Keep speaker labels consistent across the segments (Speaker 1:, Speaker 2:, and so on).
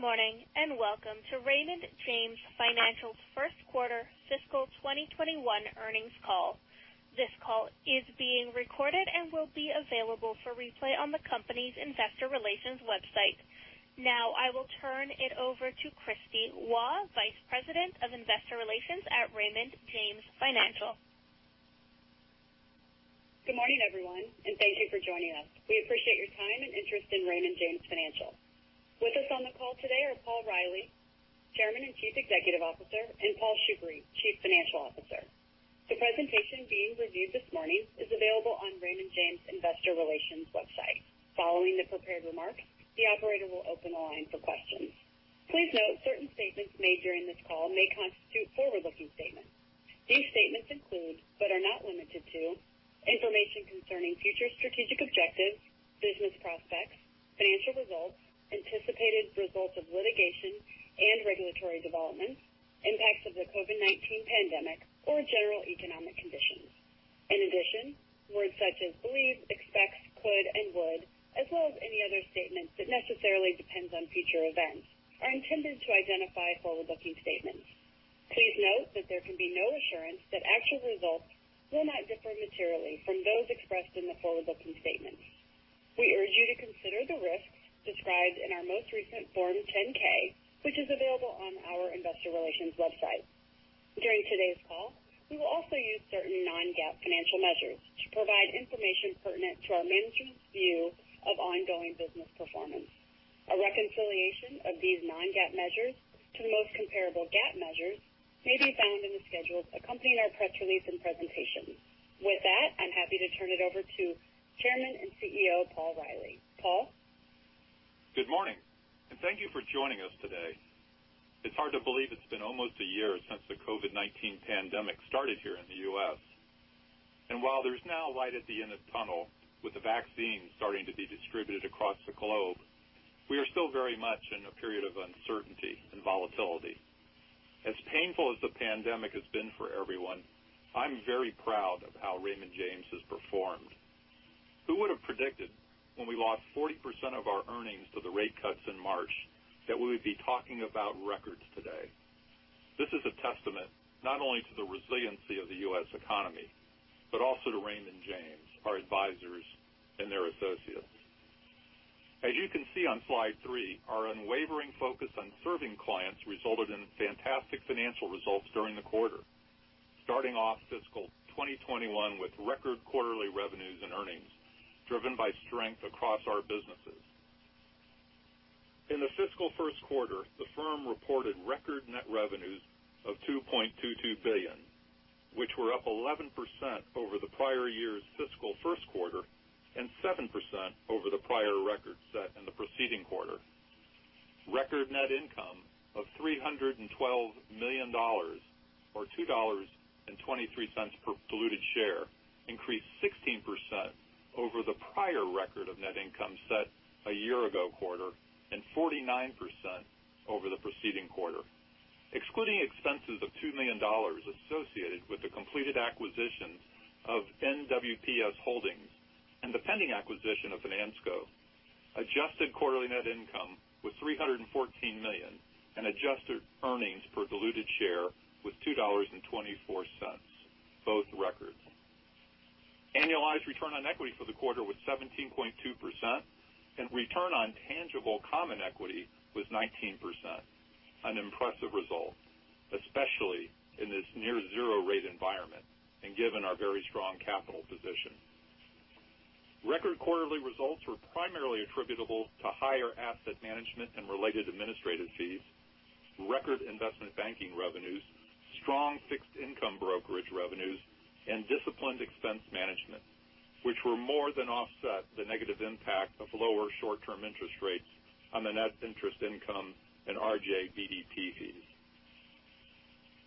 Speaker 1: Morning, welcome to Raymond James Financial's Q1 fiscal 2021 earnings call. This call is being recorded and will be available for replay on the company's investor relations website. Now, I will turn it over to Kristie Waugh, Vice President of Investor Relations at Raymond James Financial.
Speaker 2: Good morning, everyone, and thank you for joining us. We appreciate your time and interest in Raymond James Financial. With us on the call today are Paul Reilly, chairman and chief executive officer, and Paul Shoukry, chief financial officer. The presentation being reviewed this morning is available on Raymond James' investor relations website. Following the prepared remarks, the operator will open the line for questions. Please note, certain statements made during this call may constitute forward-looking statements. These statements include, but are not limited to, information concerning future strategic objectives, business prospects, financial results, anticipated results of litigation and regulatory developments, impacts of the COVID-19 pandemic, or general economic conditions. Words such as believe, expects, could, and would, as well as any other statements that necessarily depends on future events, are intended to identify forward-looking statements. Please note that there can be no assurance that actual results will not differ materially from those expressed in the forward-looking statements. We urge you to consider the risks described in our most recent Form 10-K, which is available on our investor relations website. During today's call, we will also use certain non-GAAP financial measures to provide information pertinent to our management's view of ongoing business performance. A reconciliation of these non-GAAP measures to the most comparable GAAP measures may be found in the schedules accompanying our press release and presentation. With that, I'm happy to turn it over to Chairman and Chief Executive Officer, Paul Reilly. Paul?
Speaker 3: Good morning. Thank you for joining us today. It's hard to believe it's been almost a year since the COVID-19 pandemic started here in the U.S. While there's now a light at the end of the tunnel, with the vaccine starting to be distributed across the globe, we are still very much in a period of uncertainty and volatility. As painful as the pandemic has been for everyone, I'm very proud of how Raymond James has performed. Who would have predicted when we lost 40% of our earnings to the rate cuts in March that we would be talking about records today? This is a testament not only to the resiliency of the U.S. economy, but also to Raymond James, our advisors, and their associates. As you can see on slide three, our unwavering focus on serving clients resulted in fantastic financial results during the quarter. Starting off fiscal 2021 with record quarterly revenues and earnings driven by strength across our businesses. In the fiscal Q1, the firm reported record net revenues of $2.22 billion, which were up 11% over the prior year's fiscal Q1 and 7% over the prior record set in the preceding quarter. Record net income of $312 million, or $2.23 per diluted share, increased 16% over the prior record of net income set a year ago quarter and 49% over the preceding quarter. Excluding expenses of $2 million associated with the completed acquisitions of NWPS Holdings and the pending acquisition of Financo, adjusted quarterly net income was $314 million and adjusted earnings per diluted share was $2.24. Both records. Annualized return on equity for the quarter was 17.2%, and return on tangible common equity was 19%, an impressive result, especially in this near zero rate environment and given our very strong capital position. Record quarterly results were primarily attributable to higher Asset Management and related administrative fees, record investment banking revenues, strong fixed income brokerage revenues, and disciplined expense management, which were more than offset the negative impact of lower short-term interest rates on the net interest income and RJBDP fees.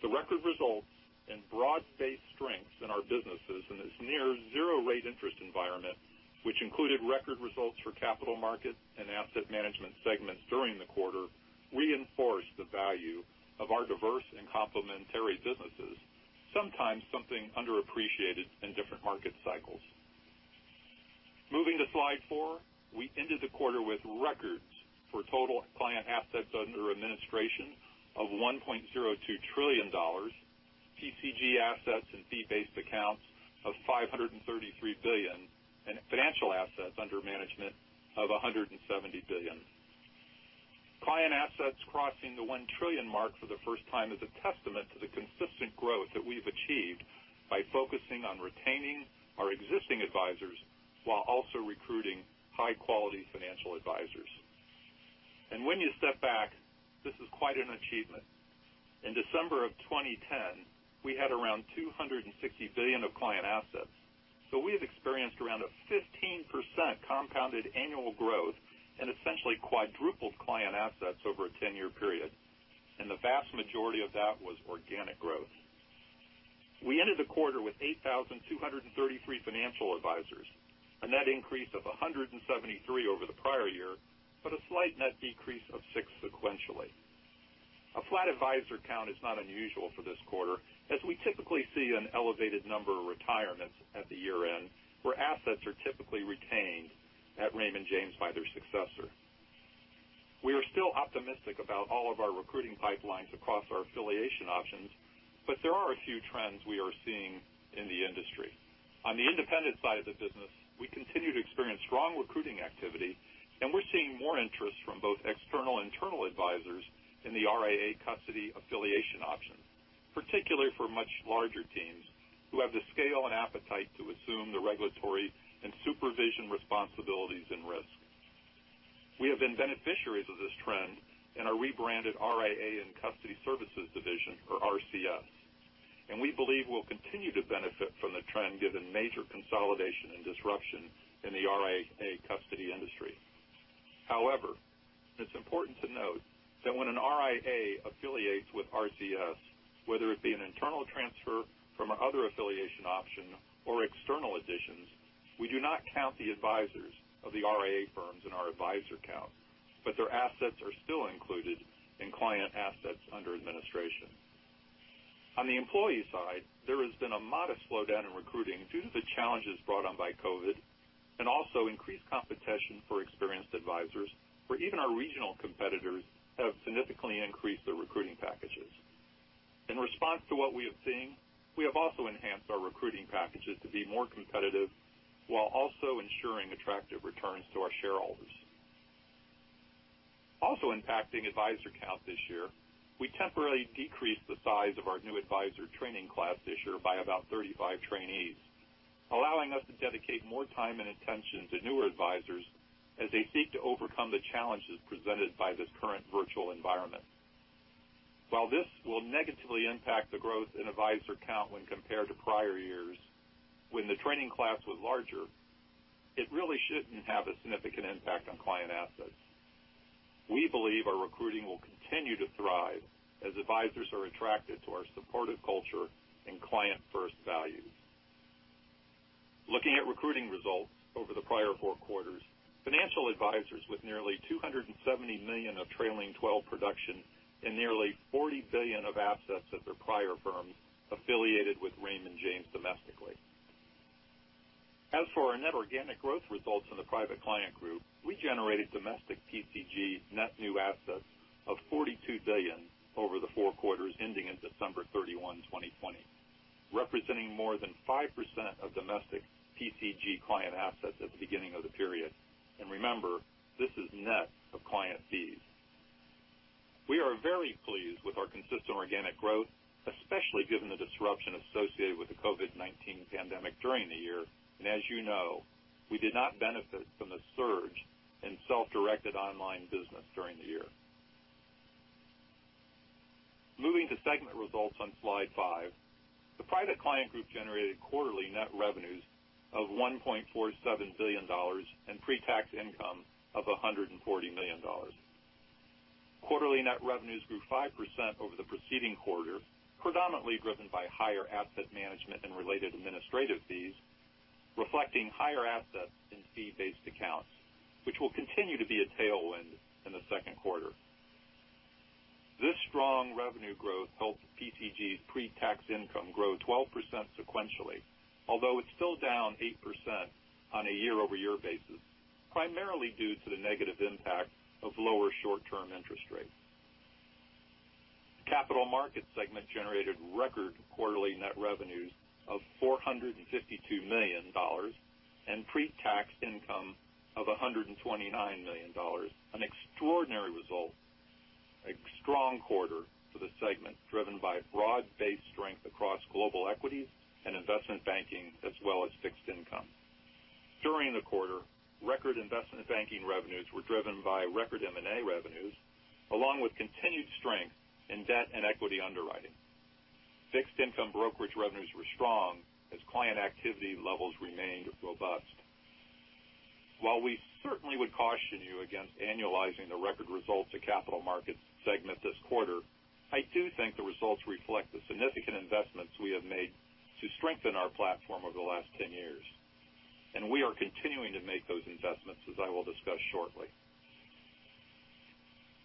Speaker 3: The record results and broad-based strengths in our businesses in this near zero rate interest environment, which included record results for Capital Markets and Asset Management segments during the quarter, reinforced the value of our diverse and complementary businesses, sometimes something underappreciated in different market cycles. Moving to slide four. We ended the quarter with records for total client assets under administration of $1.02 trillion, PCG assets and fee-based accounts of $533 billion, and financial assets under management of $170 billion. Client assets crossing the $1 trillion mark for the first time is a testament to the consistent growth that we've achieved by focusing on retaining our existing advisors while also recruiting high-quality financial advisors. When you step back, this is quite an achievement. In December of 2010, we had around $260 billion of client assets, so we have experienced around a 15% compounded annual growth and essentially quadrupled client assets over a 10-year period, and the vast majority of that was organic growth. We ended the quarter with 8,233 financial advisors, a net increase of 173 over the prior year, but a slight net decrease of six sequentially. A flat advisor count is not unusual for this quarter, as we typically see an elevated number of retirements at the year-end, where assets are typically retained at Raymond James by their successor. We are still optimistic about all of our recruiting pipelines across our affiliation options, but there are a few trends we are seeing in the industry. On the independent side of the business, we continue to experience strong recruiting activity, and we're seeing more interest from both external and internal advisors in the RIA custody affiliation option, particularly for much larger teams who have the scale and appetite to assume the regulatory and supervision responsibilities and risks. We have been beneficiaries of this trend in our rebranded RIA & Custody Services division, or RCS, and we believe we'll continue to benefit from the trend given major consolidation and disruption in the RIA custody industry. However, it's important to note that when an RIA affiliates with RCS, whether it be an internal transfer from our other affiliation option or external additions, we do not count the advisors of the RIA firms in our advisor count, but their assets are still included in client assets under administration. On the employee side, there has been a modest slowdown in recruiting due to the challenges brought on by COVID, and also increased competition for experienced advisors, where even our regional competitors have significantly increased their recruiting packages. In response to what we have seen, we have also enhanced our recruiting packages to be more competitive while also ensuring attractive returns to our shareholders. Also impacting advisor count this year, we temporarily decreased the size of our new advisor training class this year by about 35 trainees, allowing us to dedicate more time and attention to newer advisors as they seek to overcome the challenges presented by this current virtual environment. While this will negatively impact the growth in advisor count when compared to prior years when the training class was larger, it really shouldn't have a significant impact on client assets. We believe our recruiting will continue to thrive as advisors are attracted to our supportive culture and client-first values. Looking at recruiting results over the prior four quarters, financial advisors with nearly $270 million of trailing 12 production and nearly $40 billion of assets at their prior firms affiliated with Raymond James domestically. As for our net organic growth results in the Private Client Group, we generated domestic PCG net new assets of $42 billion over the four quarters ending in December 31st, 2020, representing more than 5% of domestic PCG client assets at the beginning of the period. Remember, this is net of client fees. We are very pleased with our consistent organic growth, especially given the disruption associated with the COVID-19 pandemic during the year. As you know, we did not benefit from the surge in self-directed online business during the year. Moving to segment results on slide five, the Private Client Group generated quarterly net revenues of $1.47 billion, and pre-tax income of $140 million. Quarterly net revenues grew 5% over the preceding quarter, predominantly driven by higher asset management and related administrative fees, reflecting higher assets in fee-based accounts, which will continue to be a tailwind in the Q2. This strong revenue growth helped PCG's pre-tax income grow 12% sequentially, although it's still down 8% on a year-over-year basis, primarily due to the negative impact of lower short-term interest rates. Capital Markets segment generated record quarterly net revenues of $452 million, and pre-tax income of $129 million, an extraordinary result, a strong quarter for the segment, driven by broad-based strength across global equities and investment banking, as well as fixed income. During the quarter, record investment banking revenues were driven by record M&A revenues, along with continued strength in debt and equity underwriting. Fixed income brokerage revenues were strong as client activity levels remained robust. While we certainly would caution you against annualizing the record results of Capital Markets segment this quarter, I do think the results reflect the significant investments we have made to strengthen our platform over the last 10 years, and we are continuing to make those investments, as I will discuss shortly.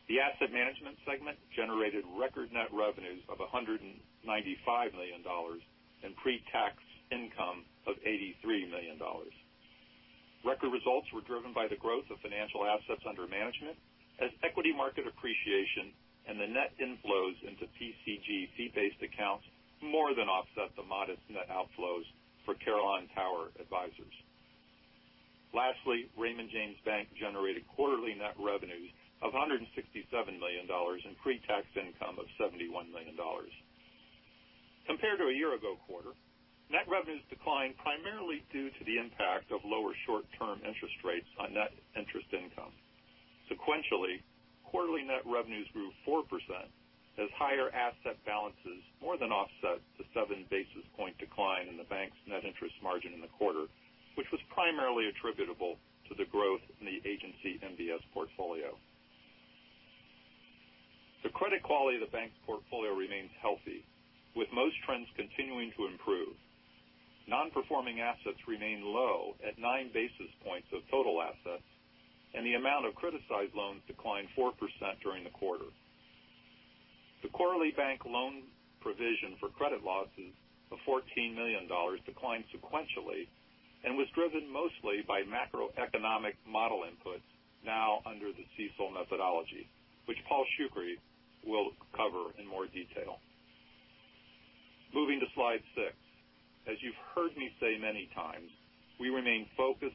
Speaker 3: The Asset Management segment generated record net revenues of $195 million, and pre-tax income of $83 million. Record results were driven by the growth of financial assets under management as equity market appreciation and the net inflows into PCG fee-based accounts more than offset the modest net outflows for Carillon Tower Advisers. Lastly, Raymond James Bank generated quarterly net revenues of $167 million and pre-tax income of $71 million. Compared to a year-ago quarter, net revenues declined primarily due to the impact of lower short-term interest rates on net interest income. Sequentially, quarterly net revenues grew 4% as higher asset balances more than offset the seven basis point decline in the bank's net interest margin in the quarter, which was primarily attributable to the growth in the agency MBS portfolio. The credit quality of the bank's portfolio remains healthy, with most trends continuing to improve. Non-performing assets remain low at nine basis points of total assets, and the amount of criticized loans declined 4% during the quarter. The quarterly bank loan provision for credit losses of $14 million declined sequentially and was driven mostly by macroeconomic model inputs now under the CECL methodology, which Paul Shoukry will cover in more detail. Moving to slide six. As you've heard me say many times, we remain focused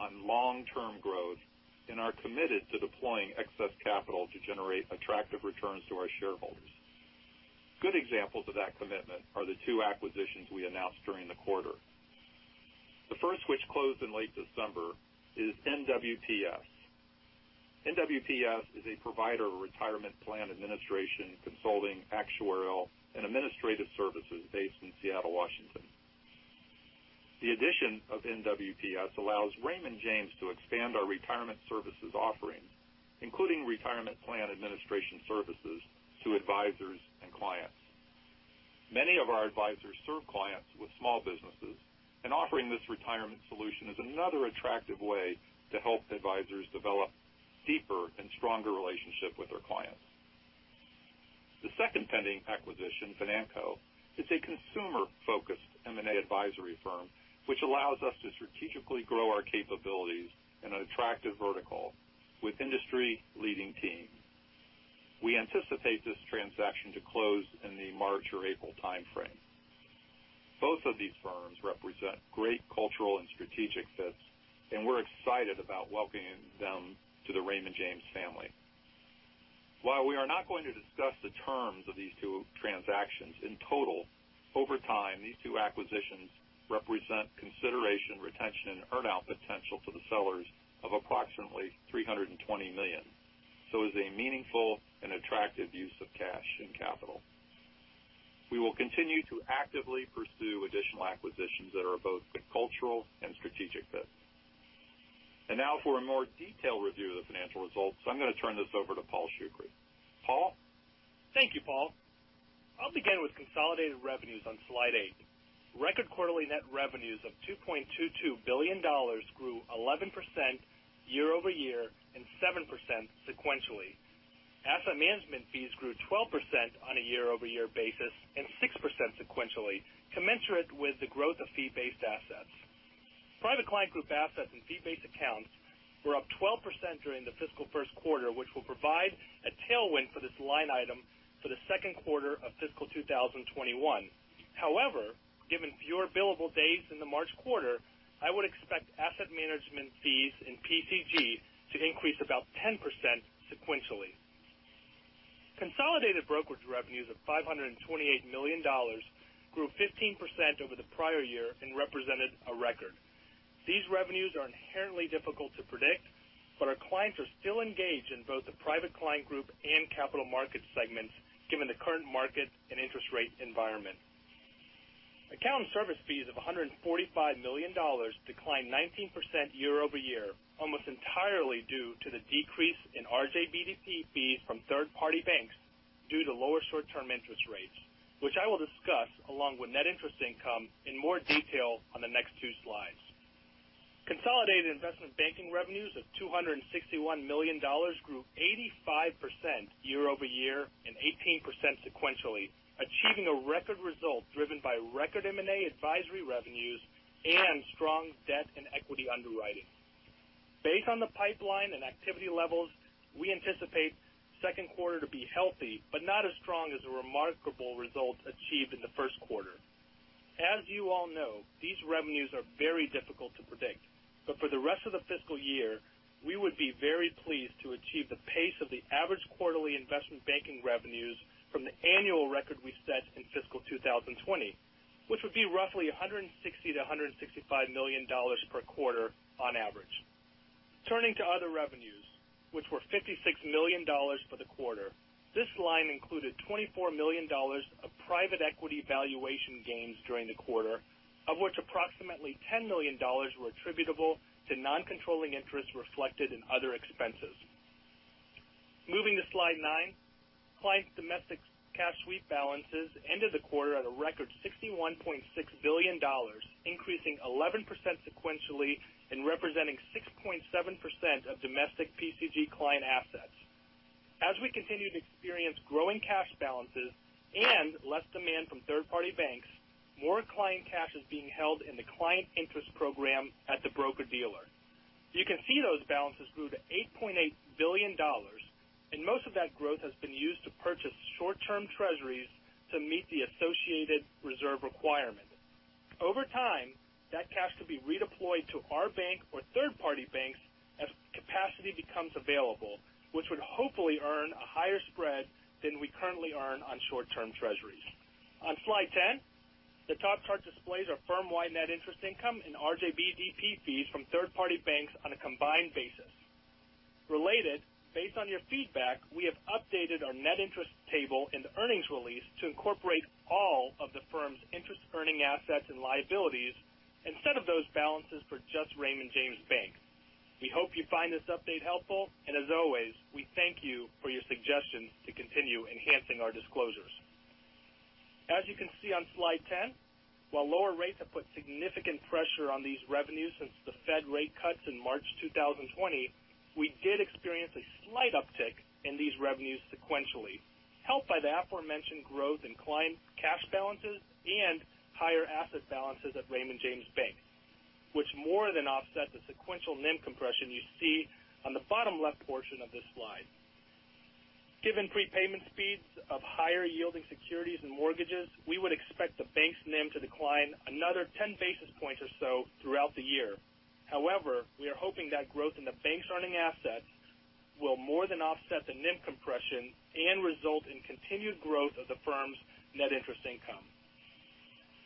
Speaker 3: on long-term growth and are committed to deploying excess capital to generate attractive returns to our shareholders. Good examples of that commitment are the two acquisitions we announced during the quarter. The first, which closed in late December, is NWPS. NWPS is a provider of retirement plan administration, consulting, actuarial, and administrative services based in Seattle, Washington. The addition of NWPS allows Raymond James to expand our retirement services offerings, including retirement plan administration services to advisors and clients. Many of our advisors serve clients with small businesses, and offering this retirement solution is another attractive way to help advisors develop deeper and stronger relationships with their clients. The second pending acquisition, Financo, is a consumer-focused M&A advisory firm, which allows us to strategically grow our capabilities in an attractive vertical with an industry-leading team. We anticipate this transaction to close in the March or April timeframe. Both of these firms represent great cultural and strategic fits, and we're excited about welcoming them to the Raymond James family. While we are not going to discuss the terms of these two transactions in total, over time, these two acquisitions represent consideration, retention, and earn-out potential to the sellers of approximately $320 million. It is a meaningful and attractive use of cash and capital. We will continue to actively pursue additional acquisitions that are both a cultural and strategic fit. Now for a more detailed review of the financial results, I'm going to turn this over to Paul Shoukry. Paul?
Speaker 4: Thank you, Paul. I'll begin with consolidated revenues on slide eight. Record quarterly net revenues of $2.22 billion grew 11% year-over-year and 7% sequentially. Asset Management fees grew 12% on a year-over-year basis and 6% sequentially, commensurate with the growth of fee-based assets. Private Client Group assets and fee-based accounts were up 12% during the fiscal Q1, which will provide a tailwind for this line item for the Q2 of fiscal 2021. However, given fewer billable days in the March quarter, I would expect Asset Management fees in PCG to increase about 10% sequentially. Consolidated brokerage revenues of $528 million grew 15% over the prior year and represented a record. These revenues are inherently difficult to predict, our clients are still engaged in both the Private Client Group and Capital Markets segments, given the current market and interest rate environment. Account service fees of $145 million declined 19% year-over-year, almost entirely due to the decrease in RJBDP fees from third-party banks due to lower short-term interest rates, which I will discuss along with net interest income in more detail on the next two slides. Consolidated investment banking revenues of $261 million grew 85% year-over-year and 18% sequentially, achieving a record result driven by record M&A advisory revenues and strong debt and equity underwriting. Based on the pipeline and activity levels, we anticipate the Q2 to be healthy but not as strong as the remarkable results achieved in the Q1. As you all know, these revenues are very difficult to predict, but for the rest of the fiscal year, we would be very pleased to achieve the pace of the average quarterly investment banking revenues from the annual record we set in fiscal 2020, which would be roughly $160 million-$165 million per quarter on average. Turning to other revenues, which were $56 million for the quarter. This line included $24 million of private equity valuation gains during the quarter, of which approximately $10 million were attributable to non-controlling interests reflected in other expenses. Moving to slide nine. Client domestic cash sweep balances ended the quarter at a record $61.6 billion, increasing 11% sequentially and representing 6.7% of domestic PCG client assets. As we continue to experience growing cash balances and less demand from third-party banks, more client cash is being held in the client interest program at the broker-dealer. You can see those balances grew to $8.8 billion. Most of that growth has been used to purchase short-term treasuries to meet the associated reserve requirement. Over time, that cash could be redeployed to our Bank or third-party banks as capacity becomes available, which would hopefully earn a higher spread than we currently earn on short-term treasuries. On slide 10, the top chart displays our firm-wide net interest income and RJBDP fees from third-party banks on a combined basis. Related, based on your feedback, we have updated our net interest table in the earnings release to incorporate all of the firm's interest-earning assets and liabilities instead of those balances for just Raymond James Bank. We hope you find this update helpful. As always, we thank you for your suggestions to continue enhancing our disclosures. As you can see on slide 10, while lower rates have put significant pressure on these revenues since the Fed rate cuts in March 2020, we did experience a slight uptick in these revenues sequentially, helped by the aforementioned growth in client cash balances and higher asset balances at Raymond James Bank, which more than offset the sequential NIM compression you see on the bottom left portion of this slide. Given prepayment speeds of higher yielding securities and mortgages, we would expect the bank's NIM to decline another 10 basis points or so throughout the year. However, we are hoping that growth in the bank's earning assets will more than offset the NIM compression and result in continued growth of the firm's net interest income.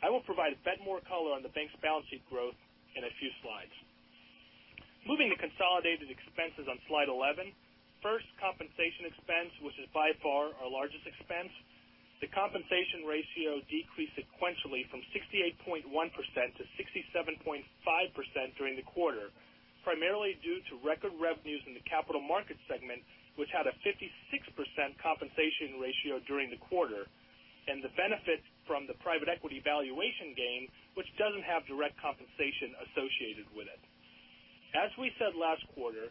Speaker 4: I will provide a bit more color on the bank's balance sheet growth in a few slides. Moving to consolidated expenses on slide 11. First, compensation expense, which is by far our largest expense. The compensation ratio decreased sequentially from 68.1%-67.5% during the quarter, primarily due to record revenues in the Capital Markets segment, which had a 56% compensation ratio during the quarter, and the benefit from the private equity valuation gain, which doesn't have direct compensation associated with it. As we said last quarter,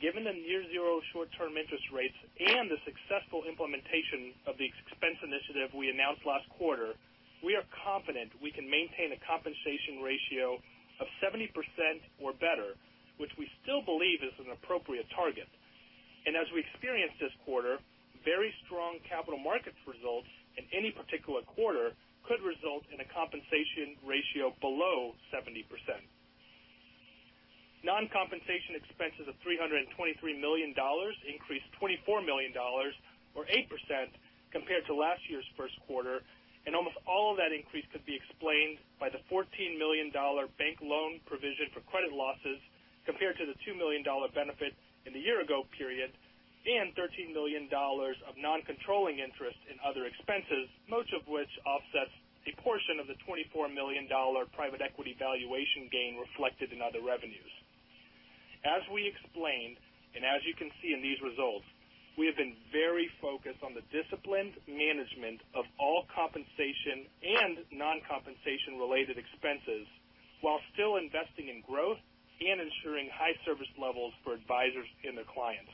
Speaker 4: given the near zero short-term interest rates and the successful implementation of the expense initiative we announced last quarter, we are confident we can maintain a compensation ratio of 70% or better, which we still believe is an appropriate target. As we experienced this quarter, very strong Capital Markets results in any particular quarter could result in a compensation ratio below 70%. Non-compensation expenses of $323 million increased $24 million or 8% compared to last year's Q1, almost all of that increase could be explained by the $14 million bank loan provision for credit losses compared to the $2 million benefit in the year ago period, and $13 million of non-controlling interest in other expenses, most of which offsets a portion of the $24 million private equity valuation gain reflected in other revenues. As we explained, and as you can see in these results, we have been very focused on the disciplined management of all compensation and non-compensation related expenses while still investing in growth and ensuring high service levels for advisors and their clients.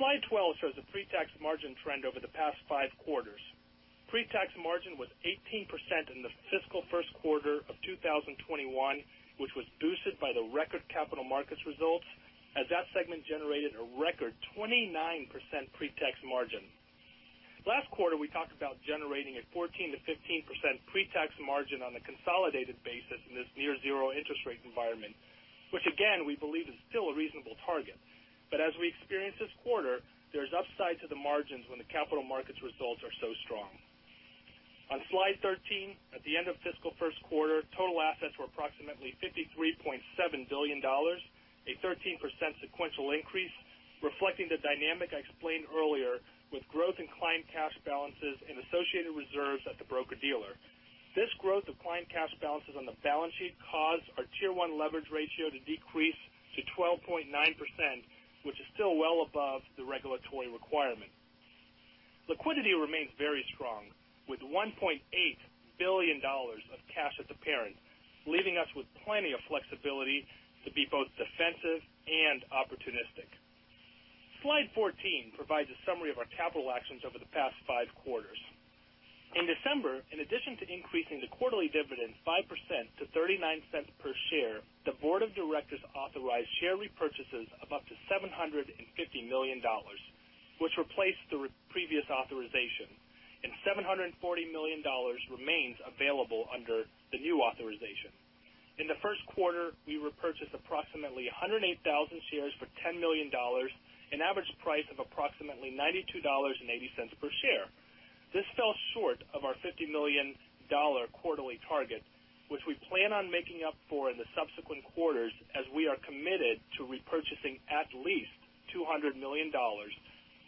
Speaker 4: Slide 12 shows the pre-tax margin trend over the past five quarters. Pre-tax margin was 18% in the fiscal Q1 of 2021, which was boosted by the record Capital Markets results as that segment generated a record 29% pre-tax margin. Last quarter, we talked about generating a 14%-15% pre-tax margin on a consolidated basis in this near zero interest rate environment, which again, we believe is still a reasonable target. As we experienced this quarter, there's upside to the margins when the Capital Markets results are so strong. On slide 13, at the end of fiscal Q1, total assets were approximately $53.7 billion, a 13% sequential increase reflecting the dynamic I explained earlier with growth in client cash balances and associated reserves at the broker-dealer. This growth of client cash balances on the balance sheet caused our Tier 1 leverage ratio to decrease to 12.9%, which is still well above the regulatory requirement. Liquidity remains very strong with $1.8 billion of cash at the parent, leaving us with plenty of flexibility to be both defensive and opportunistic. Slide 14 provides a summary of our capital actions over the past five quarters. In December, in addition to increasing the quarterly dividend 5% to $0.39 per share, the board of directors authorized share repurchases of up to $750 million, which replaced the previous authorization, and $740 million remains available under the new authorization. In the Q1, we repurchased approximately 108,000 shares for $10 million, an average price of approximately $92.80 per share. This fell short of our $50 million quarterly target, which we plan on making up for in the subsequent quarters as we are committed to repurchasing at least $200 million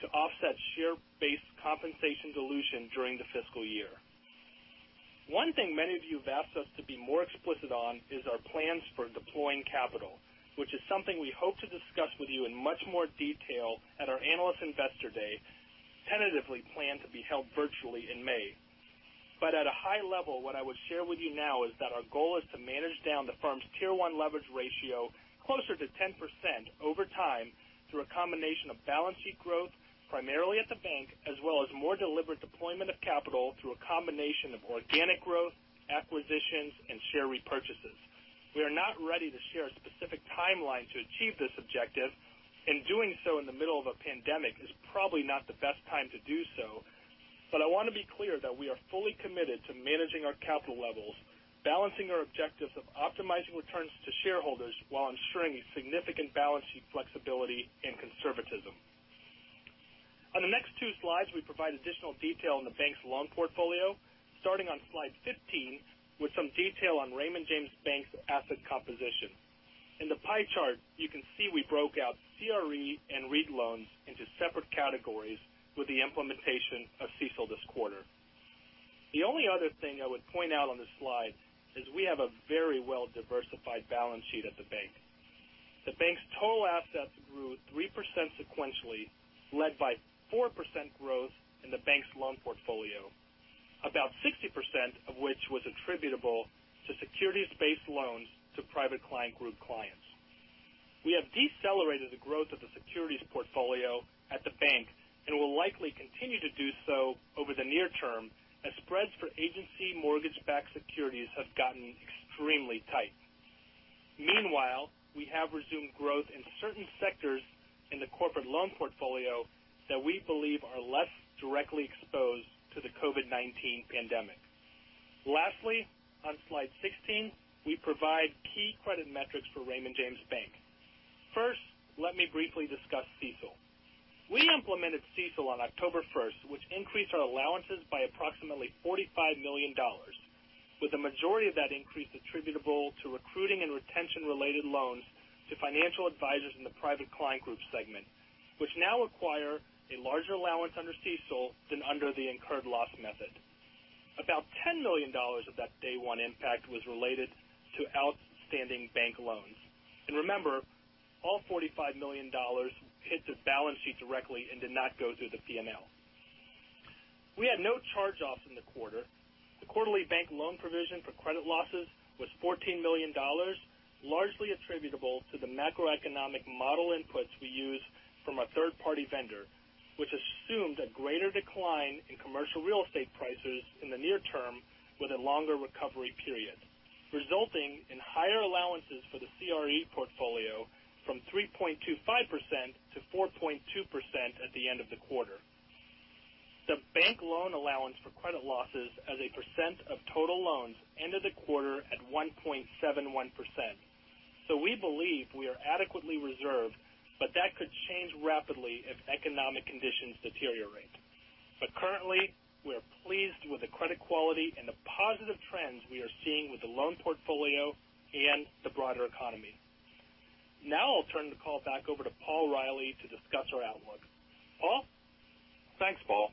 Speaker 4: to offset share-based compensation dilution during the fiscal year. One thing many of you have asked us to be more explicit on is our plans for deploying capital, which is something we hope to discuss with you in much more detail at our Analyst Investor Day, tentatively planned to be held virtually in May. At a high level, what I would share with you now is that our goal is to manage down the firm's Tier 1 leverage ratio closer to 10% over time through a combination of balance sheet growth, primarily at the bank, as well as more deliberate deployment of capital through a combination of organic growth, acquisitions, and share repurchases. We are not ready to share a specific timeline to achieve this objective, and doing so in the middle of a pandemic is probably not the best time to do so. I want to be clear that we are fully committed to managing our capital levels, balancing our objectives of optimizing returns to shareholders while ensuring significant balance sheet flexibility and conservatism. On the next two slides, we provide additional detail on the bank's loan portfolio, starting on slide 15 with some detail on Raymond James Bank's asset composition. In the pie chart, you can see we broke out CRE and REIT loans into separate categories with the implementation of CECL this quarter. The only other thing I would point out on this slide is we have a very well-diversified balance sheet at the bank. The bank's total assets grew 3% sequentially, led by 4% growth in the bank's loan portfolio, about 60% of which was attributable to securities-based loans to Private Client Group clients. We have decelerated the growth of the securities portfolio at the bank, and will likely continue to do so over the near term as spreads for agency mortgage-backed securities have gotten extremely tight. We have resumed growth in certain sectors in the corporate loan portfolio that we believe are less directly exposed to the COVID-19 pandemic. On slide 16, we provide key credit metrics for Raymond James Bank. Let me briefly discuss CECL. We implemented CECL on October 1st, which increased our allowances by approximately $45 million, with the majority of that increase attributable to recruiting and retention-related loans to financial advisors in the Private Client Group segment, which now acquire a larger allowance under CECL than under the incurred loss method. $10 million of that day one impact was related to outstanding bank loans. Remember, all $45 million hit the balance sheet directly and did not go through the P&L. We had no charge-offs in the quarter. The quarterly bank loan provision for credit losses was $14 million, largely attributable to the macroeconomic model inputs we use from a third-party vendor, which assumed a greater decline in commercial real estate prices in the near term with a longer recovery period, resulting in higher allowances for the CRE portfolio from 3.25%-4.2% at the end of the quarter. The bank loan allowance for credit losses as a % of total loans ended the quarter at 1.71%. We believe we are adequately reserved, but that could change rapidly if economic conditions deteriorate. Currently, we are pleased with the credit quality and the positive trends we are seeing with the loan portfolio and the broader economy. Now I'll turn the call back over to Paul Reilly to discuss our outlook. Paul?
Speaker 3: Thanks, Paul.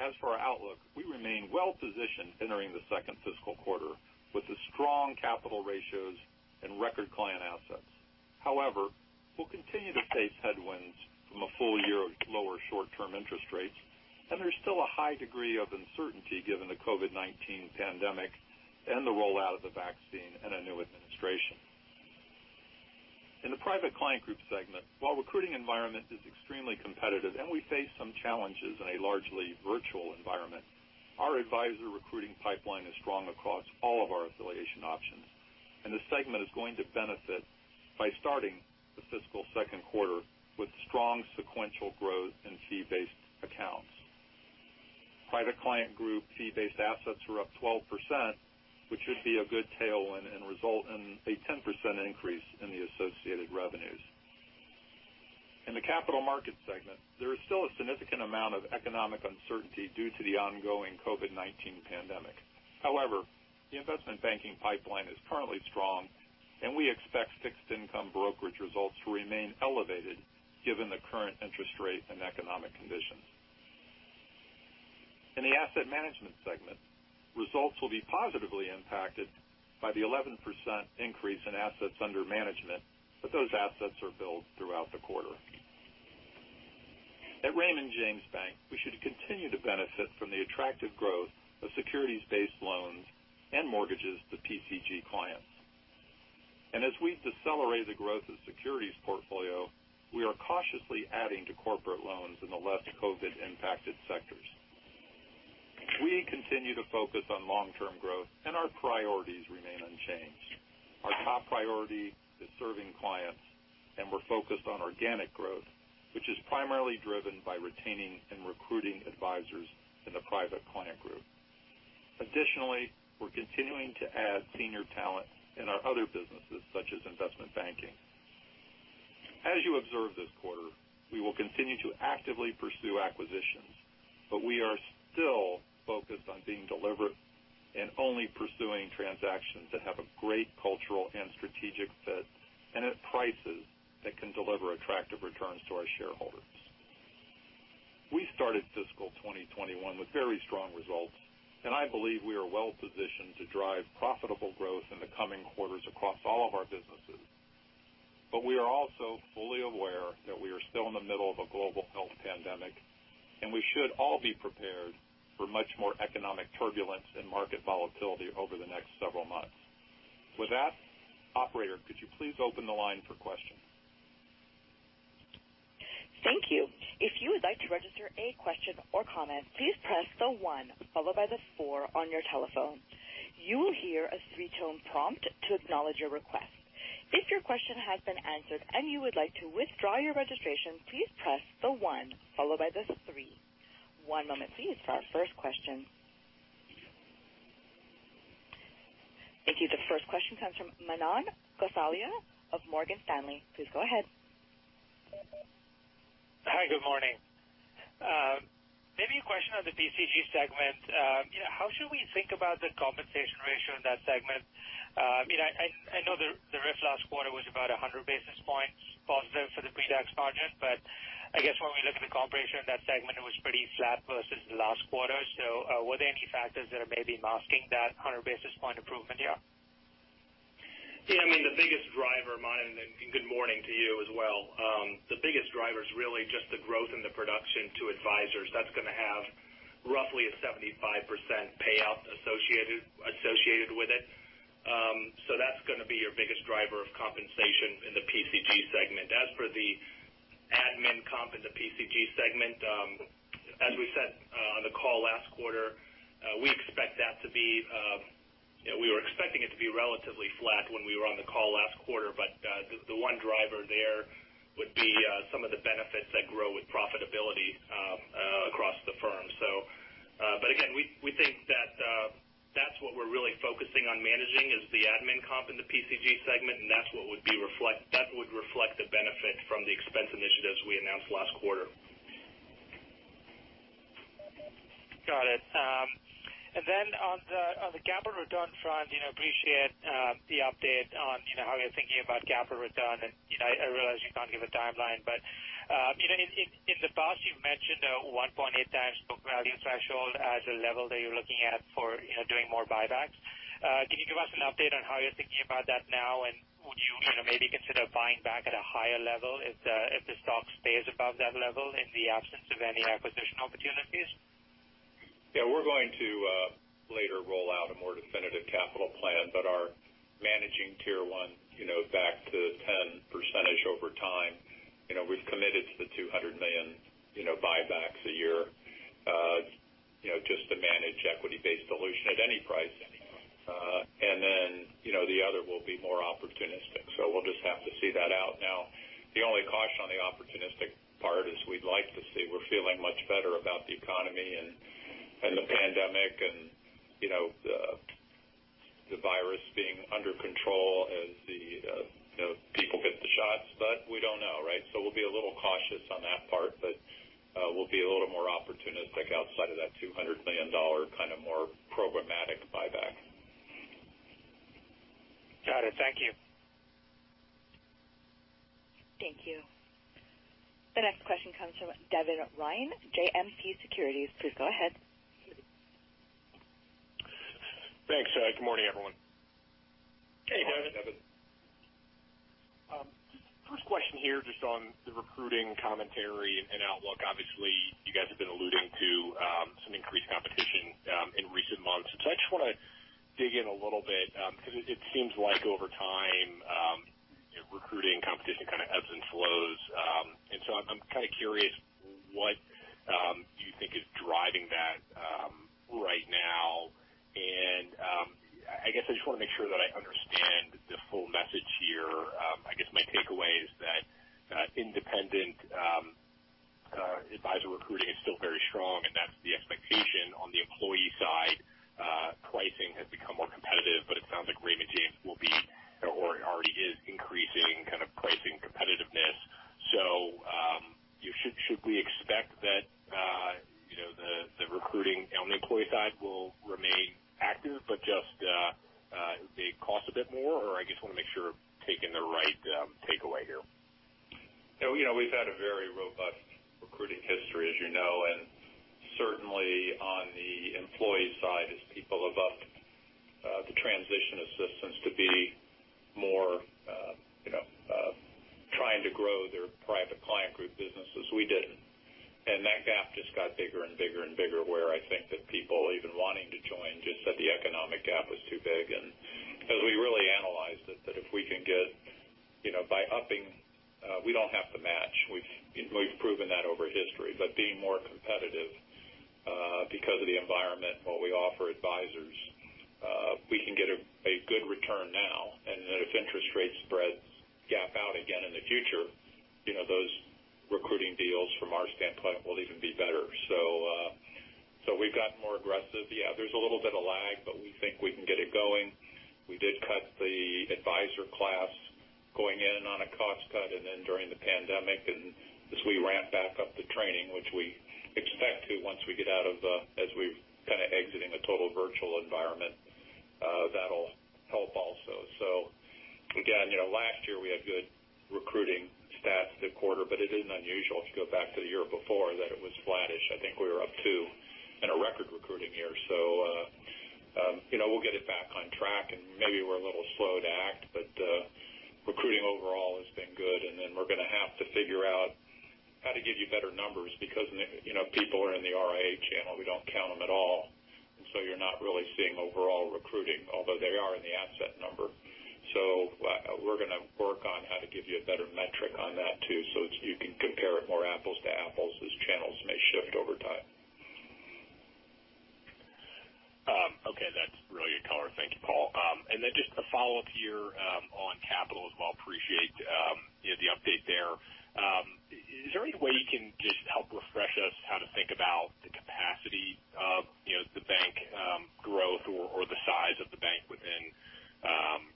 Speaker 3: As for our outlook, we remain well-positioned entering the second fiscal quarter with the strong capital ratios and record client assets. However, we'll continue to face headwinds from a full year of lower short-term interest rates, and there's still a high degree of uncertainty given the COVID-19 pandemic and the rollout of the vaccine and a new administration. In the Private Client Group segment, while recruiting environment is extremely competitive and we face some challenges in a largely virtual environment, our advisor recruiting pipeline is strong across all of our affiliation options, and this segment is going to benefit by starting the fiscal Q2 with strong sequential growth in fee-based accounts. Private Client Group fee-based assets were up 12%, which should be a good tailwind and result in a 10% increase in the associated revenues. In the Capital Markets segment, there is still a significant amount of economic uncertainty due to the ongoing COVID-19 pandemic. However, the investment banking pipeline is currently strong, and we expect fixed income brokerage results to remain elevated given the current interest rate and economic conditions. In the Asset Management segment, results will be positively impacted by the 11% increase in assets under management, but those assets are billed throughout the quarter. At Raymond James Bank, we should continue to benefit from the attractive growth of securities-based loans and mortgages to PCG clients. As we decelerate the growth of securities portfolio, we are cautiously adding to corporate loans in the less COVID-impacted sectors. We continue to focus on long-term growth, and our priorities remain unchanged. Our top priority is serving clients, and we're focused on organic growth, which is primarily driven by retaining and recruiting advisors in the Private Client Group. Additionally, we're continuing to add senior talent in our other businesses, such as investment banking. As you observe this quarter, we will continue to actively pursue acquisitions, but we are still focused on being deliberate and only pursuing transactions that have a great cultural and strategic fit and at prices that can deliver attractive returns to our shareholders. We started fiscal 2021 with very strong results, and I believe we are well-positioned to drive profitable growth in the coming quarters across all of our businesses. We are also fully aware that we are still in the middle of a global health pandemic, and we should all be prepared for much more economic turbulence and market volatility over the next several months. With that, operator, could you please open the line for questions?
Speaker 1: The first question comes from Manan Gosalia of Morgan Stanley. Please go ahead.
Speaker 5: Hi, good morning. A question on the PCG segment. How should we think about the compensation ratio in that segment? I know the RIF last quarter was about 100 basis points positive for the pretax margin. I guess when we look at the compensation in that segment, it was pretty flat versus the last quarter. Were there any factors that are maybe masking that 100 basis point improvement here?
Speaker 4: Good morning to you as well. The biggest driver is really just the growth in the production to advisors. That's going to have roughly a 75% payout associated with it. That's going to be your biggest driver of compensation in the PCG segment. As for the admin comp in the PCG segment, as we said on the call last quarter, we were expecting it to be relatively flat when we were on the call last quarter. The one driver there would be some of the benefits that grow with profitability across the firm. Again, we think that what we're really focusing on managing is the admin comp in the PCG segment, and that would reflect the benefit from the expense initiatives we announced last quarter.
Speaker 5: Got it. On the capital return front, appreciate the update on how you're thinking about capital return. I realize you can't give a timeline, in the past, you've mentioned a 1.8 times book value threshold as a level that you're looking at for doing more buybacks. Can you give us an update on how you're thinking about that now, and would you maybe consider buying back at a higher level if the stock stays above that level in the absence of any acquisition opportunities?
Speaker 3: Yeah, we're going to later roll out a more definitive capital plan, but are managing Tier 1 back to 10% over time. We've committed to the $200 million buybacks a year just to manage equity-based dilution at any price anyhow. The other will be more opportunistic. We'll just have to see that out. The only caution on the opportunistic part is we'd like to see, we're feeling much better about the economy and the pandemic and the virus being under control as people get the shots, but we don't know. We'll be a little cautious on that part, but we'll be a little more opportunistic outside of that $200 million kind of more programmatic buyback.
Speaker 5: Got it. Thank you.
Speaker 1: Thank you. The next question comes from Devin Ryan, JMP Securities. Please go ahead.
Speaker 6: Thanks. Good morning, everyone.
Speaker 3: Hey, Devin.
Speaker 4: Good morning, Devin.
Speaker 6: First question here, just on the recruiting commentary and outlook. Obviously, you guys have been alluding to some increased competition in recent months. I just want to dig in a little bit because it seems like over time, recruiting competition kind of ebbs and flows. I'm kind of curious, what do you think is driving that right now? I guess I just want to make sure that I understand the full message here. I guess my takeaway is that independent advisor recruiting is still very strong, and that's the expectation on the employee side. Pricing has become more competitive, but it sounds like Raymond James already is increasing kind of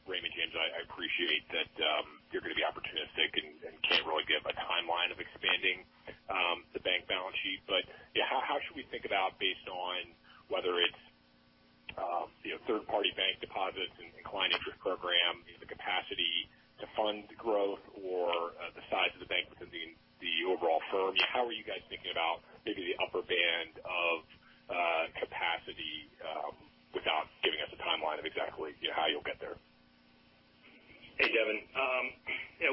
Speaker 6: Raymond James? I appreciate that you're going to be opportunistic and can't really give a timeline of expanding the bank balance sheet. How should we think about based on whether it's third-party bank deposits and client interest program is the capacity to fund growth or the size of the bank within the overall firm. How are you guys thinking about maybe the upper band of capacity without giving us a timeline of exactly how you'll get there?
Speaker 4: Hey, Devin.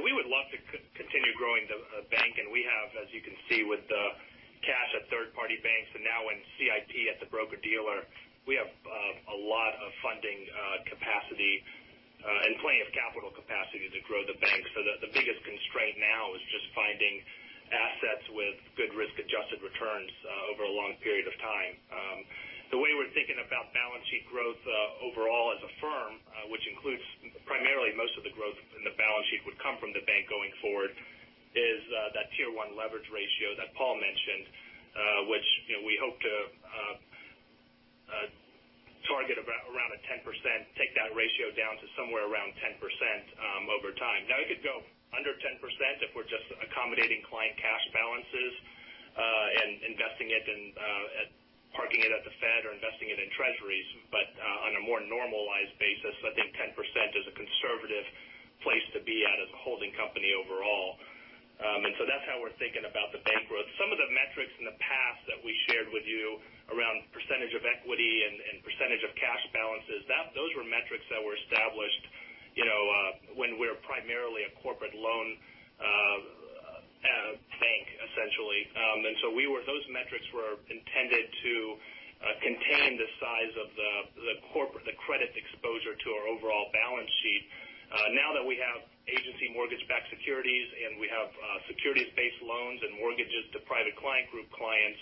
Speaker 4: We would love to continue growing the bank, and we have, as you can see with the cash at third party banks and now in CIP at the broker-dealer, we have a lot of funding capacity and plenty of capital capacity to grow the bank. The biggest constraint now is just finding assets with good risk-adjusted returns over a long period of time. The way we're thinking about balance sheet growth overall as a firm which includes primarily most of the growth in the balance sheet would come from the bank going forward, is that Tier 1 leverage ratio that Paul mentioned which we hope to target around a 10%, take that ratio down to somewhere around 10% over time. We could go under 10% if we're just accommodating client cash balances and parking it at the Fed or investing it in treasuries. On a more normalized basis, I think 10% is a conservative place to be at as a holding company overall. That's how we're thinking about the bank growth. Some of the metrics in the past that we shared with you around percentage of equity and percentage of cash balances, those were metrics that were established when we're primarily a corporate loan bank, essentially. Those metrics were intended to contain the size of the credit exposure to our overall balance sheet. Now that we have agency mortgage-backed securities and we have securities-based loans and mortgages to Private Client Group clients,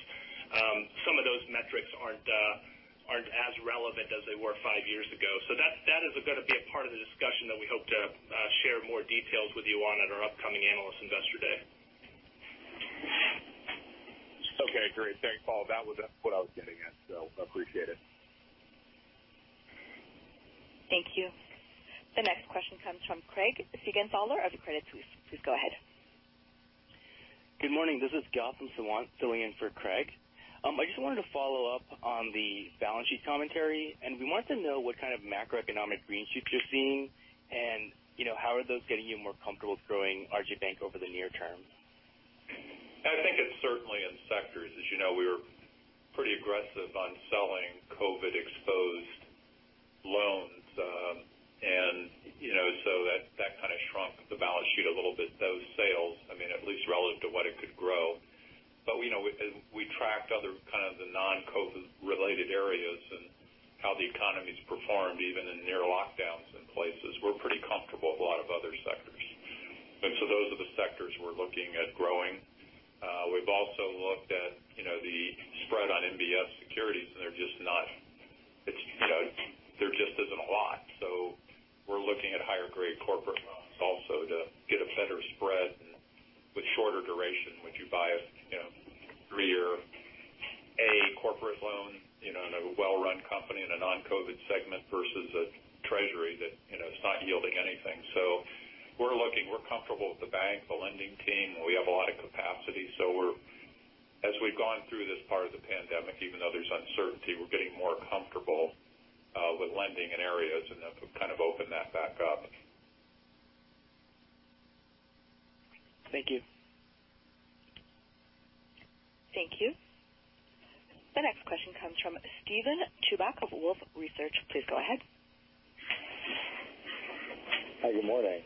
Speaker 4: some of those metrics aren't as relevant as they were five years ago. That is going to be a part of the discussion that we hope to share more details with you on at our upcoming Analyst Investor Day.
Speaker 6: Okay, great. Thanks, Paul. That was what I was getting at, so appreciate it.
Speaker 1: Thank you. The next question comes from Craig Siegenthaler of Credit Suisse. Please go ahead.
Speaker 7: Good morning. This is Gautam Sawant filling in for Craig. I just wanted to follow up on the balance sheet commentary. We wanted to know what kind of macroeconomic green shoots you're seeing, and how are those getting you more comfortable growing RJ Bank over the near term?
Speaker 3: I think it's certainly in sectors. As you know, we were pretty aggressive on selling COVID exposed loans. That kind of shrunk the balance sheet a little bit, those sales. I mean, at least relative to what it could grow. We tracked other kind of the non-COVID related areas and how the economy's performed even in near lockdowns in places. We're pretty comfortable with a lot of other sectors. Those are the sectors we're looking at growing. We've also looked at the spread on MBS securities, and there just isn't a lot. We're looking at higher grade corporate loans also to get a better spread and with shorter duration, would you buy a 3-year A corporate loan in a well-run company in a non-COVID segment versus a treasury that is not yielding anything. We're looking. We're comfortable with the bank, the lending team, and we have a lot of capacity. As we've gone through this part of the pandemic, even though there's uncertainty, we're getting more comfortable with lending in areas, and kind of open that back up.
Speaker 7: Thank you.
Speaker 1: Thank you. The next question comes from Steven Chubak of Wolfe Research. Please go ahead.
Speaker 8: Hi, good morning.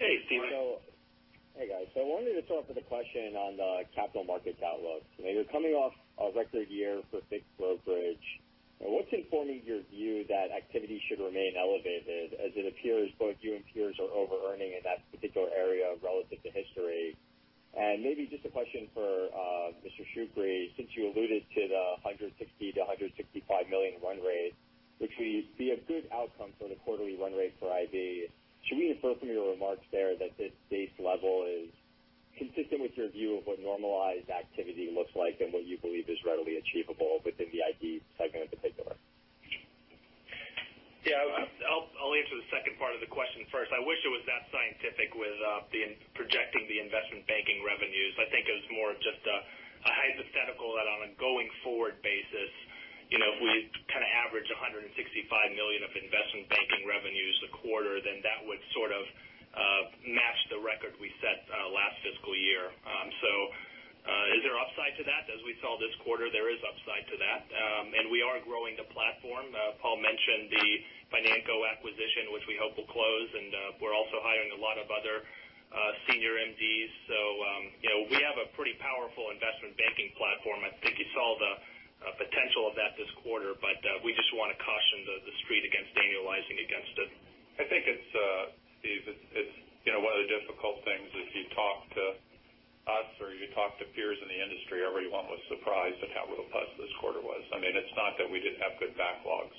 Speaker 3: Hey, Steven.
Speaker 8: Hey, guys. I wanted to sort of put a question on the Capital Markets outlook. You're coming off a record year for fixed brokerage. What's informing your view that activity should remain elevated, as it appears both you and peers are over-earning in that particular area relative to history? Maybe just a question for Mr. Shoukry, since you alluded to the $160 million-$165 million run rate, which would be a good outcome for the quarterly run rate for IB. Should we infer from your remarks there that this base level is consistent with your view of what normalized activity looks like and what you believe is readily achievable within the IB segment in particular?
Speaker 4: Yeah. I'll answer the second part of the question first. I wish it was that scientific with projecting the investment banking revenues. I think it was more of just a hypothetical that on a going forward basis if we kind of average $165 million of investment banking revenues a quarter, then that would sort of match the record we set last fiscal year. Is there upside to that? As we saw this quarter, there is upside to that. We are growing the platform. Paul mentioned the Financo acquisition, which we hope will close, and we're also hiring a lot of other senior MDs. We have a pretty powerful investment banking platform. I think you saw the potential of that this quarter, we just want to caution the street against annualizing against it.
Speaker 3: I think it's one of the difficult things if you talk to us or you talk to peers in the industry, everyone was surprised at how robust this quarter was. I mean, it's not that we didn't have good backlogs.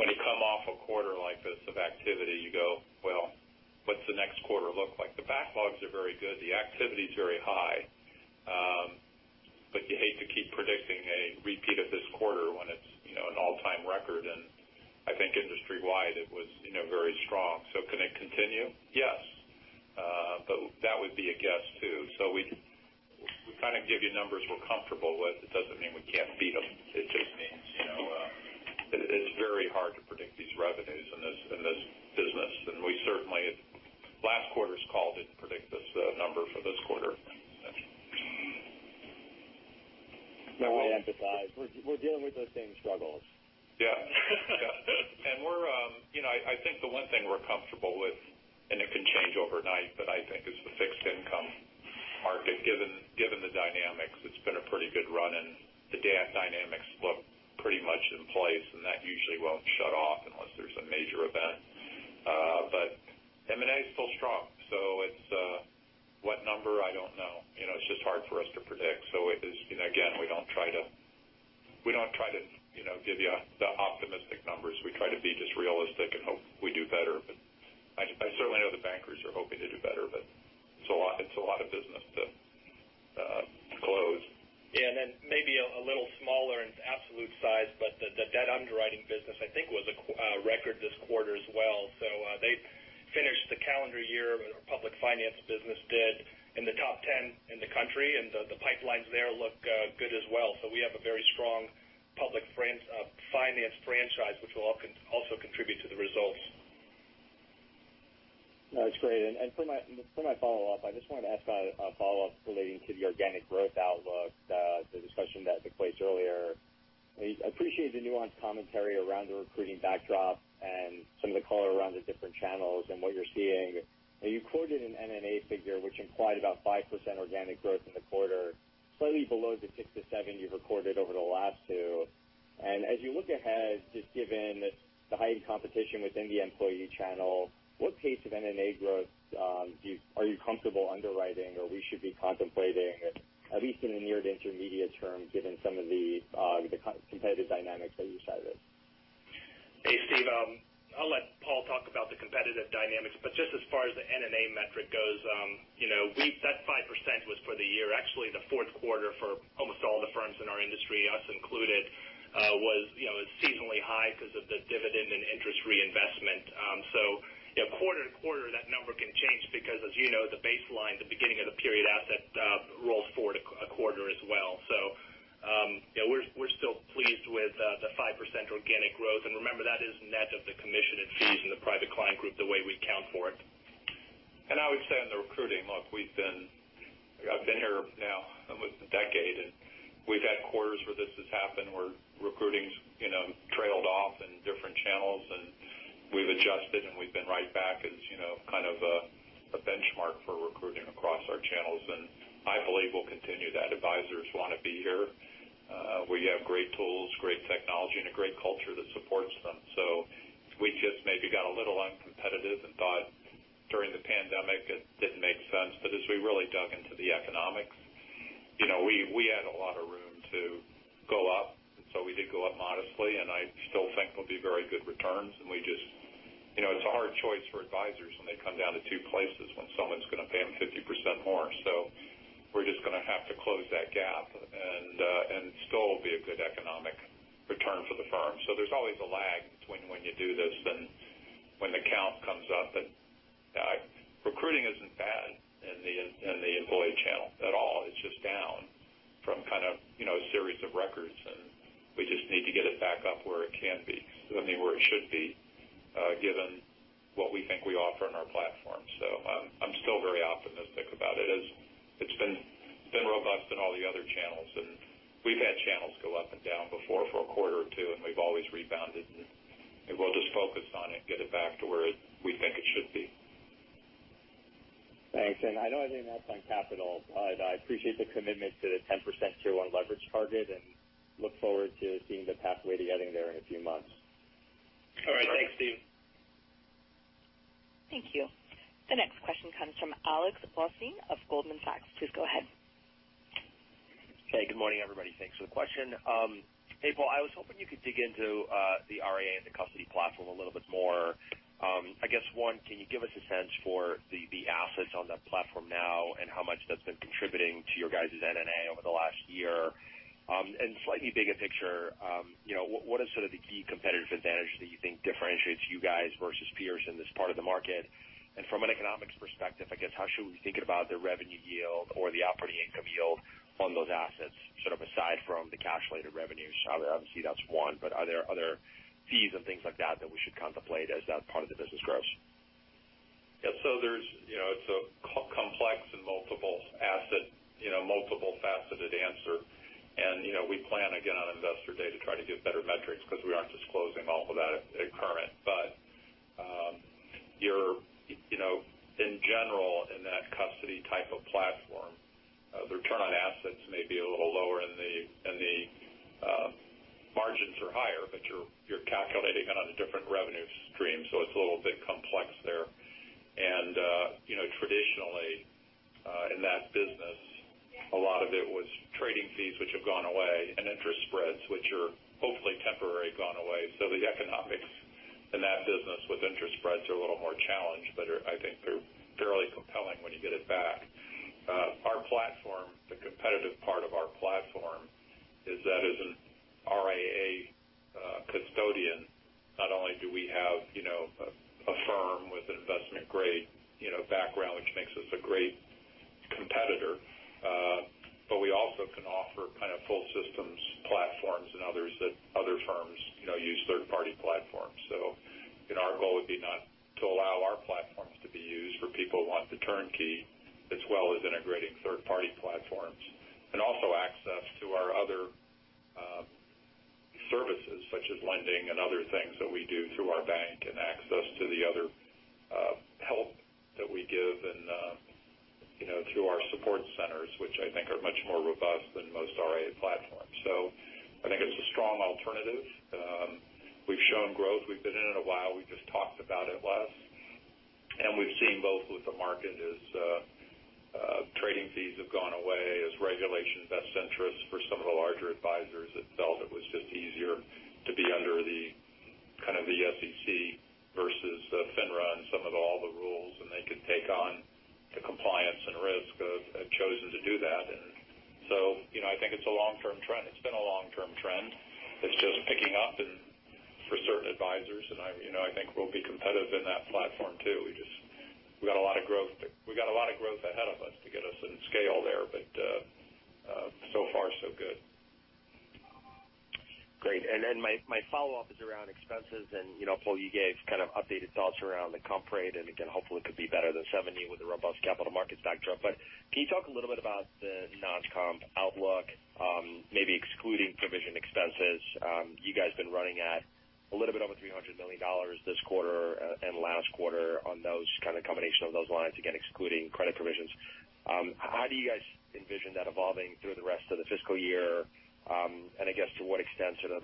Speaker 3: When you come off a quarter like this of activity, you go, "Well, what's the next quarter look like?" The backlogs are very good. The activity's very high. You hate to keep predicting a repeat of this quarter when it's an all-time record and very strong. Can it continue? Yes. That would be a guess, too. We give you numbers we're comfortable with. It doesn't mean we can't beat them. It just means, it's very hard to predict these revenues in this business. Last quarter's call didn't predict this number for this quarter.
Speaker 4: No way to emphasize. We're dealing with those same struggles.
Speaker 3: Yeah. I think the one thing we're comfortable with, and it can change overnight, but I think is the fixed income market. Given the dynamics, it's been a pretty good run, and the DAF dynamics look pretty much in place, and that usually won't shut off unless there's a major event. M&A's still strong. What number? I don't know. It's just hard for us to predict. Again, we don't try to give you the optimistic numbers. We try to be just realistic and hope we do better. I certainly know the bankers are hoping to do better, but it's a lot of business to close.
Speaker 4: Maybe a little smaller in absolute size, but the debt underwriting business, I think, was a record this quarter as well. They finished the calendar year, our public finance business did, in the top 10 in the country, and the pipelines there look good as well. We have a very strong public finance franchise, which will also contribute to the results.
Speaker 8: No, that's great. For my follow-up, I just wanted to ask a follow-up relating to the organic growth outlook, the discussion that took place earlier. I appreciate the nuanced commentary around the recruiting backdrop and some of the color around the different channels and what you're seeing. You quoted an NNA figure which implied about 5% organic growth in the quarter, slightly below the 6%-7% you've recorded over the last two. As you look ahead, just given the heightened competition within the employee channel, what pace of M&A growth are you comfortable underwriting or we should be contemplating, at least in the near to intermediate term, given some of the competitive dynamics that you cited?
Speaker 4: Hey, Steve. I'll let Paul talk about the competitive dynamics, but just as far as the NNA metric goes, that 5% was for the year. Actually, the Q4 for almost all the firms in our industry, us included, was seasonally high because of the dividend and interest reinvestment. Quarter to quarter, that number can change because as you know, the baseline, the beginning of the period asset rolls forward a quarter as well. We're still pleased with the 5% organic growth. Remember, that is net of the commission and fees in the Private Client Group the way we account for it.
Speaker 3: I would say on the recruiting, look, I've been here now almost a decade, and we've had quarters where this has happened where recruiting's trailed off in different channels, and we've adjusted, and we've been right back as kind of a benchmark for recruiting across our channels. I believe we'll continue that. Advisors want to be here. We have great tools, great technology, and a great culture that supports them. We just maybe got a little uncompetitive and thought during the pandemic it didn't make sense. As we really dug into the economics, we had a lot of room to go up. We did go up modestly, and I still think there'll be very good returns. It's a hard choice for advisors when they come down to two places when someone's going to pay them 50% more. We're just going to have to close that gap and still be a good economic return for the firm. There's always a lag between when you do this and when the count comes up. Recruiting isn't bad in the employee channel at all. It's just down from kind of a series of records, and we just need to get it back up where it can be. I mean, where it should be, given what we think we offer in our platform. I'm still very optimistic about it. It's been robust in all the other channels, and we've had channels go up and down before for a quarter or two, and we've always rebounded. We'll just focus on it and get it back to where we think it should be.
Speaker 8: Thanks. I know I didn't ask on capital, but I appreciate the commitment to the 10% Tier 1 leverage target and look forward to seeing the pathway to getting there in a few months.
Speaker 4: All right. Thanks, Steve.
Speaker 1: Thank you. The next question comes from Alex Blostein of Goldman Sachs. Please go ahead.
Speaker 9: Hey, good morning, everybody. Thanks for the question. Hey, Paul, I was hoping you could dig into the RIA and the custody platform a little bit more. I guess one, can you give us a sense for the assets on that platform now and how much that's been contributing to your guys' NNA over the last year? Slightly bigger picture, what is sort of the key competitive advantage that you think differentiates you guys versus peers in this part of the market? From an economics perspective, I guess how should we be thinking about the revenue yield or the operating income yield on those assets, sort of aside from the cash-related revenues? Obviously, that's one, but are there other fees and things like that that we should contemplate as that part of the business grows?
Speaker 3: Yeah. It's a complex and multiple faceted answer. We plan again on Investor Day to try to give better metrics because we aren't disclosing all of that at current. In general, in that custody type of platform, the return on assets may be a little lower and the margins are higher, but you're calculating it on a different revenue stream. It's a little bit complex there. Traditionally, in that business, a lot of it was trading fees, which have gone away, and interest spreads, which are hopefully temporarily gone away. The economics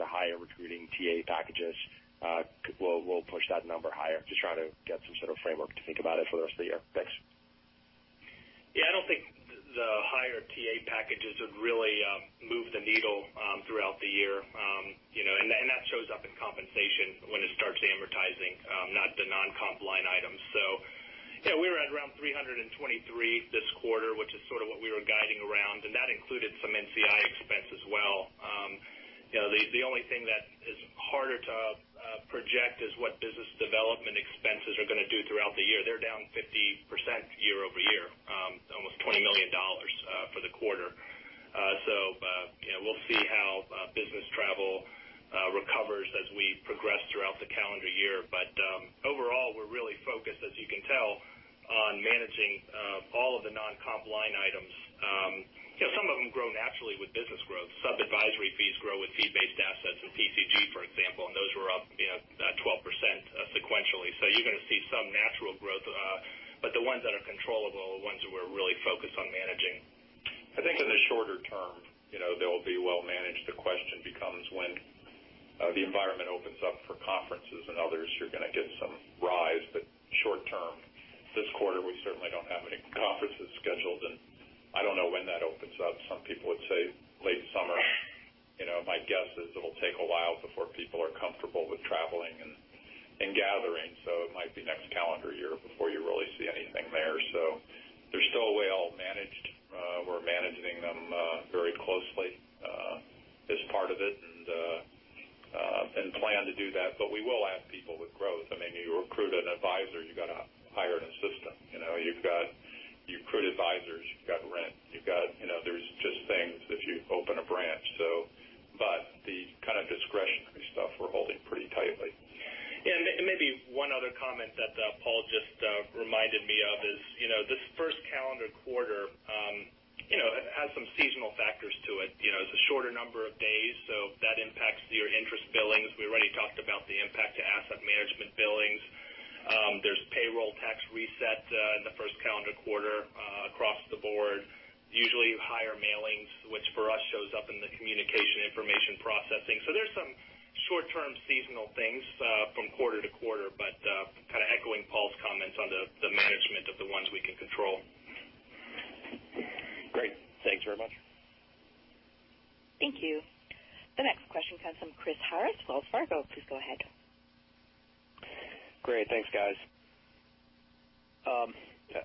Speaker 9: higher recruiting TA packages will push that number higher? Just trying to get some sort of framework to think about it for the rest of the year. Thanks.
Speaker 4: I don't think the higher TA packages would really move the needle throughout the year. That shows up in compensation when it starts amortizing not the non-comp line items. We were at around $323 this quarter, which is sort of what we were guiding around, and that included some NCI expense as well. The only thing that is harder to project is what business development expenses are going to do throughout the year. They're down 50% year-over-year, almost $20 million for the quarter. We'll see how business travel recovers as we progress throughout the calendar year. Overall, we're really focused, as you can tell, on managing all of the non-comp line items. Some of them grow naturally with business growth. Sub-advisory fees grow with fee-based assets and PCG, for example, those were up 12% sequentially. You're going to see some natural growth. The ones that are controllable are ones that we're really focused on managing.
Speaker 3: I think in the shorter term they'll be well managed. The question becomes when the environment opens up for conferences and others, you're going to get some rise. Short term, this quarter, we certainly don't have any conferences scheduled, and I don't know when that opens up. Some people would say late summer. My guess is it'll take a while before people are comfortable with traveling and gathering. It might be next calendar year before you really see anything there. They're still well managed. We're managing them very closely as part of it and plan to do that. We will add people with growth. You recruit an advisor, you've got to hire an assistant. You recruit advisors, you've got rent. There's just things if you open a branch. The kind of discretionary stuff we're holding pretty tightly.
Speaker 4: Maybe one other comment that Paul just reminded me of is this first calendar quarter has some seasonal factors to it. It's a shorter number of days, so that impacts your interest billings. We already talked about the impact to Asset Management billings. There's payroll tax reset in the first calendar quarter across the board. Usually higher mailings, which for us shows up in the communication information processing. So there's some short-term seasonal things from quarter to quarter, but kind of echoing Paul's comments on the management of the ones we can control.
Speaker 9: Great. Thanks very much.
Speaker 1: Thank you. The next question comes from Chris Harris, Wells Fargo. Please go ahead.
Speaker 10: Great. Thanks, guys.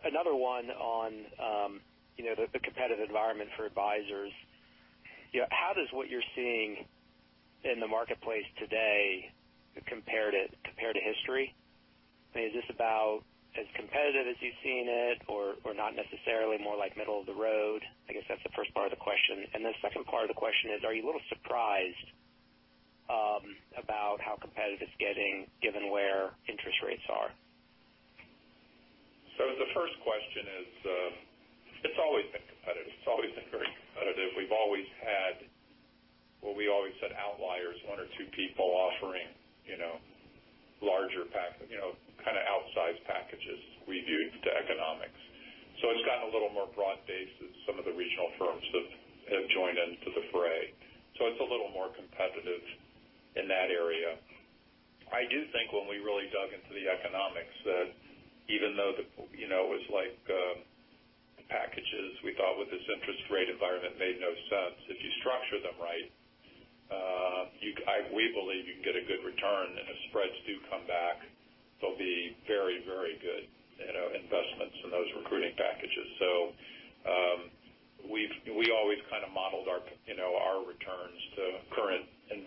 Speaker 10: Another one on the competitive environment for advisors. How does what you're seeing in the marketplace today compare to history? Is this about as competitive as you've seen it, or not necessarily, more like middle of the road? I guess that's the first part of the question. The second part of the question is, are you a little surprised about how competitive it's getting given where interest rates are?
Speaker 3: The first question is it's always been competitive. It's always been very competitive. We've always had what we always said outliers, one or two people offering larger packs, kind of outsized packages. We do the economics. It's gotten a little more broad-based as some of the regional firms have joined into the fray. It's a little more competitive in that area. I do think when we really dug into the economics that even though it was like packages we thought with this interest rate environment made no sense. If you structure them right, we believe you can get a good return, and if spreads do come back, they'll be very good investments in those recruiting packages. We've always kind of modeled our returns to current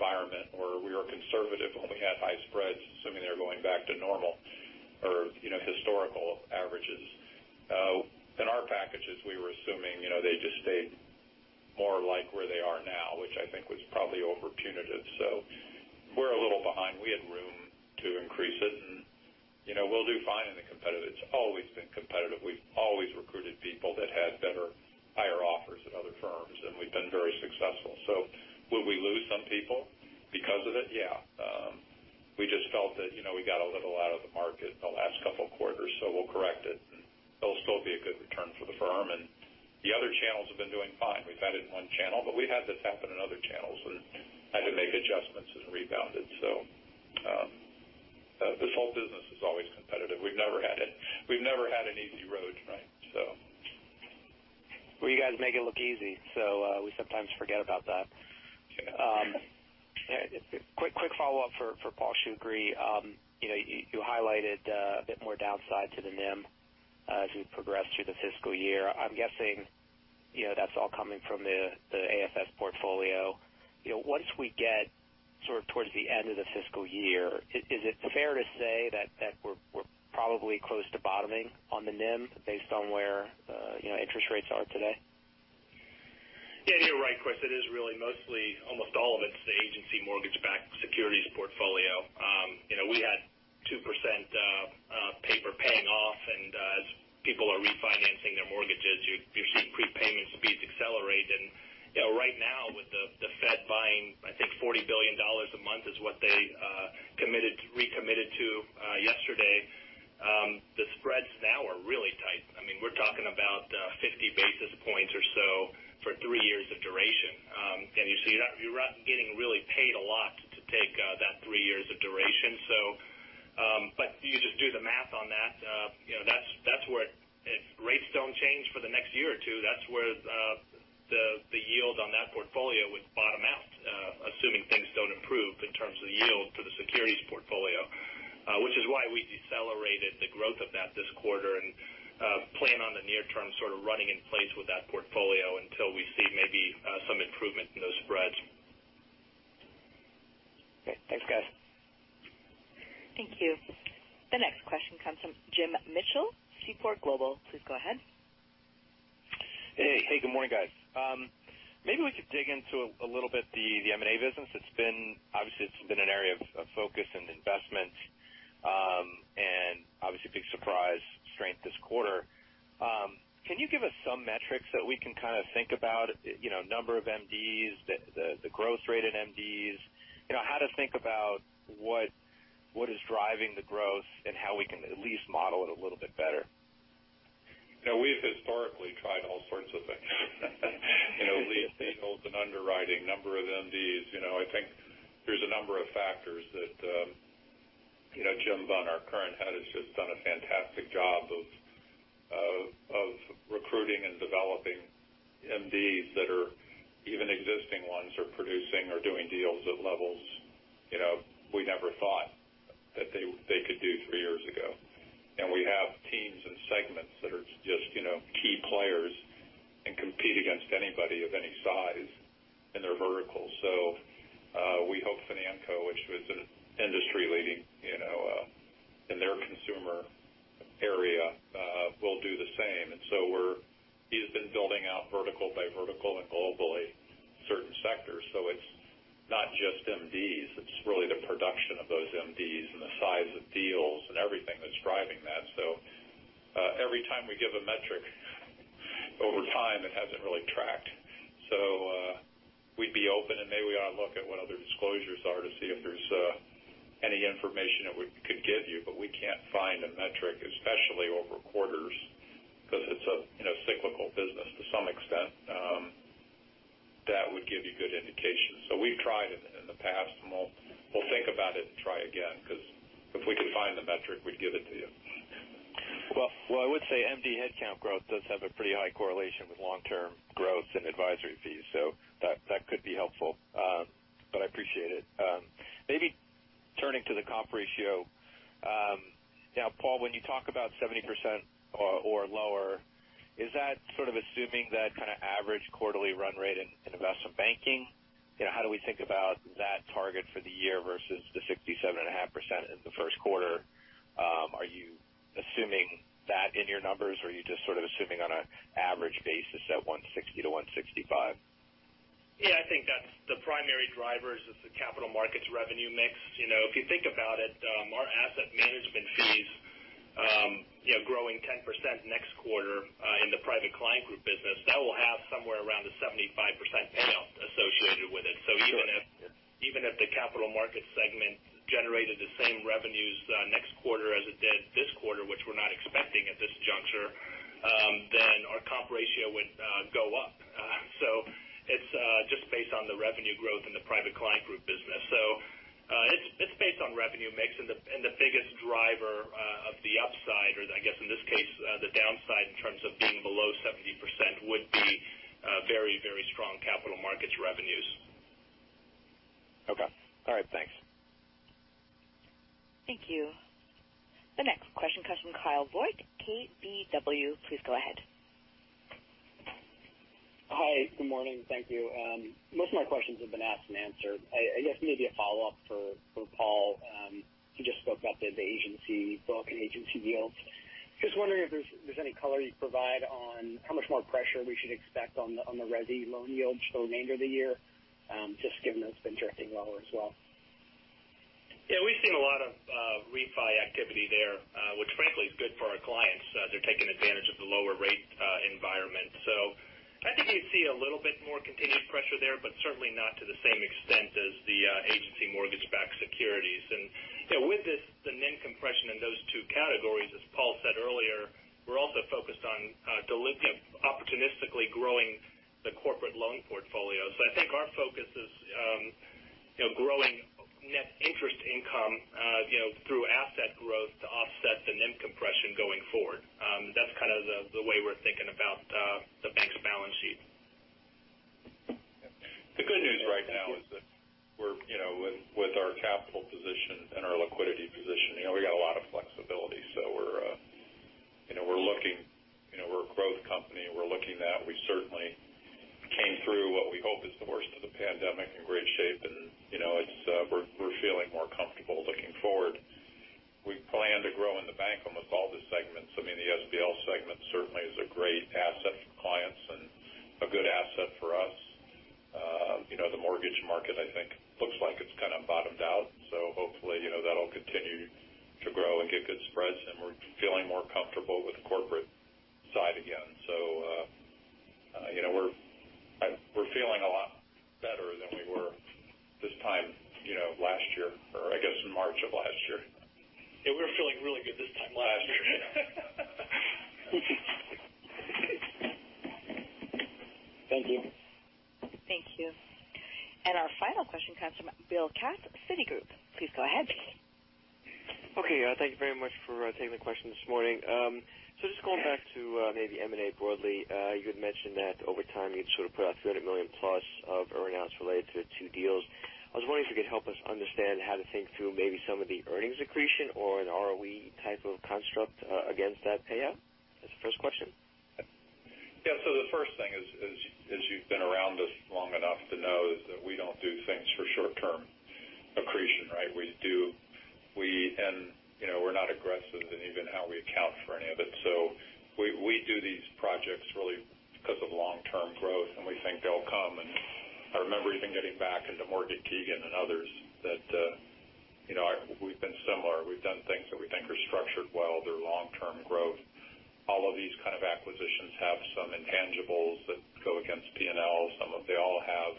Speaker 3: environment where we were conservative when we had high spreads, assuming they're going back to normal or historical averages. In our packages, we were assuming they just stayed more like where they are now, which I think was probably overpunitive. We're a little behind. We had room to increase it, and we'll do fine in the competitive. It's always been competitive. We've always recruited people that had better, higher offers at other firms, and we've been very successful. Will we lose some people because of it? Yeah. We just felt that we got a little out of the market in the last couple of quarters, so we'll correct it, and it'll still be a good return for the firm. The other channels have been doing fine. We've added one channel, but we've had this happen in other channels, and had to make adjustments, and rebounded. The sales business is always competitive. We've never had an easy road, right?
Speaker 10: Well, you guys make it look easy, so we sometimes forget about that.
Speaker 3: Sure.
Speaker 10: Quick follow-up for Paul Shoukry. You highlighted a bit more downside to the NIM as we progress through the fiscal year. I'm guessing that's all coming from the AFS portfolio. Once we get sort of towards the end of the fiscal year, is it fair to say that we're probably close to bottoming on the NIM based on where interest rates are today?
Speaker 4: You're right, Chris. It is really mostly almost all of it's the agency mortgage-backed securities portfolio. We had 2% paper paying off, as people are refinancing their mortgages, you're seeing prepayment speeds accelerate. Right now with the Fed buying, I think $40 billion a month is what they recommitted to yesterday. The spreads now are really tight. We're talking about 50 basis points or so for three years of duration. You're not getting really paid a lot to take that three years of duration. You just do the math on that. If rates don't change for the next year or two, that's where the yield on that portfolio would bottom out, assuming things don't improve in terms of the yield for the securities portfolio. Which is why we decelerated the growth of that this quarter and plan on the near term sort of running in place with that portfolio until we see maybe some improvement in those spreads.
Speaker 10: Okay. Thanks, guys.
Speaker 1: Thank you. The next question comes from Jim Mitchell, Seaport Global. Please go ahead.
Speaker 11: Hey, good morning, guys. Maybe we could dig into a little bit the M&A business. Obviously, it's been an area of focus and investment, and obviously a big surprise strength this quarter. Can you give us some metrics that we can kind of think about, number of MDs, the growth rate in MDs, how to think about what is driving the growth and how we can at least model it a little bit better?
Speaker 3: We've historically tried all sorts of things. Lead deals and underwriting, number of MDs. I think there's a number of factors that Jim Bunn, our current head, has just done a fantastic job of recruiting and developing MDs that are even existing ones or producing or doing deals at levels we never thought that they could do three years ago. We have teams and segments that are just key players and compete against anybody of any size in their verticals. We hope Financo, which was an industry leading in their consumer area will do the same. He has been building out vertical by vertical and globally certain sectors. It's not just MDs, it's really the production of those MDs and the size of deals and everything that's driving that. Every time we give a metric over time, it hasn't really tracked. We'd be open and maybe we ought to look at what other disclosures are to see if there's any information that we could give you. We can't find a metric, especially over quarters, because it's a cyclical business to some extent, that would give you good indication. We've tried it in the past, and we'll think about it and try again, because if we could find the metric, we'd give it to you.
Speaker 11: I would say MD headcount growth does have a pretty high correlation with long-term growth in advisory fees, so that could be helpful. I appreciate it. Turning to the comp ratio. Paul, when you talk about 70% or lower, is that sort of assuming that kind of average quarterly run rate in investment banking? How do we think about that target for the year versus the 67.5% in the Q1? Are you assuming that in your numbers or are you just sort of assuming on an average basis at $160-$165?
Speaker 4: Yeah, I think that's the primary drivers is the Capital Markets revenue mix. If you think about it, our Asset Management fees growing 10% next quarter in the Private Client Group business, that will have somewhere around a 75% payout associated with it.
Speaker 11: Sure.
Speaker 4: Even if the Capital Markets segment generated the same revenues next quarter as it did this quarter, which we're not expecting at this juncture, our comp ratio would go up. It's just based on the revenue growth in the Private Client Group business. Revenue mix and the biggest driver of the upside, or I guess in this case, the downside in terms of being below 70% would be very strong Capital Markets revenues.
Speaker 11: Okay. All right. Thanks.
Speaker 1: Thank you. The next question comes from Kyle Voigt, KBW. Please go ahead.
Speaker 12: Hi. Good morning. Thank you. Most of my questions have been asked and answered. I guess maybe a follow-up for Paul. He just spoke about the agency book and agency yields. Wondering if there's any color you'd provide on how much more pressure we should expect on the resi loan yields for the remainder of the year, just given that it's been trending lower as well.
Speaker 4: We've seen a lot of refi activity there, which frankly is good for our clients. They're taking advantage of the lower rate environment. I think you'd see a little bit more continued pressure there, but certainly not to the same extent as the agency mortgage-backed securities. With the NIM compression in those two categories, as Paul said earlier, we're also focused on opportunistically growing the corporate loan portfolio. I think our focus is growing net interest income through asset growth to offset the NIM compression going forward. That's kind of the way we're thinking about the bank's balance sheet.
Speaker 3: The good news right now is that with our capital position and our liquidity position, we got a lot of flexibility. We're a growth company, and we're looking that we certainly came through what we hope is the worst of the pandemic in great shape, and we're feeling more comfortable looking forward. We plan to grow in the bank almost all the segments. I mean, the SBL segment certainly is a great asset for clients and a good asset for us. The mortgage market, I think, looks like it's kind of bottomed out. Hopefully, that'll continue to grow and get good spreads, and we're feeling more comfortable with the corporate side again. We're feeling a lot better than we were this time last year, or I guess in March of last year.
Speaker 4: Yeah, we were feeling really good this time last year.
Speaker 12: Thank you.
Speaker 1: Thank you. Our final question comes from Bill Katz, Citigroup. Please go ahead.
Speaker 13: Okay. Thank you very much for taking the question this morning. Just going back to maybe M&A broadly. You had mentioned that over time, you'd sort of put out $300 million-plus of earn-outs related to two deals. I was wondering if you could help us understand how to think through maybe some of the earnings accretion or an ROE type of construct against that payout. That's the first question.
Speaker 3: Yeah. The first thing is, as you've been around us long enough to know, is that we don't do things for short-term accretion, right? We're not aggressive in even how we account for any of it. We do these projects really because of long-term growth, and we think they'll come. I remember even getting back into Morgan Keegan and others that we've been similar. We've done things that we think are structured well. They're long-term growth. All of these kind of acquisitions have some intangibles that go against P&L. They all have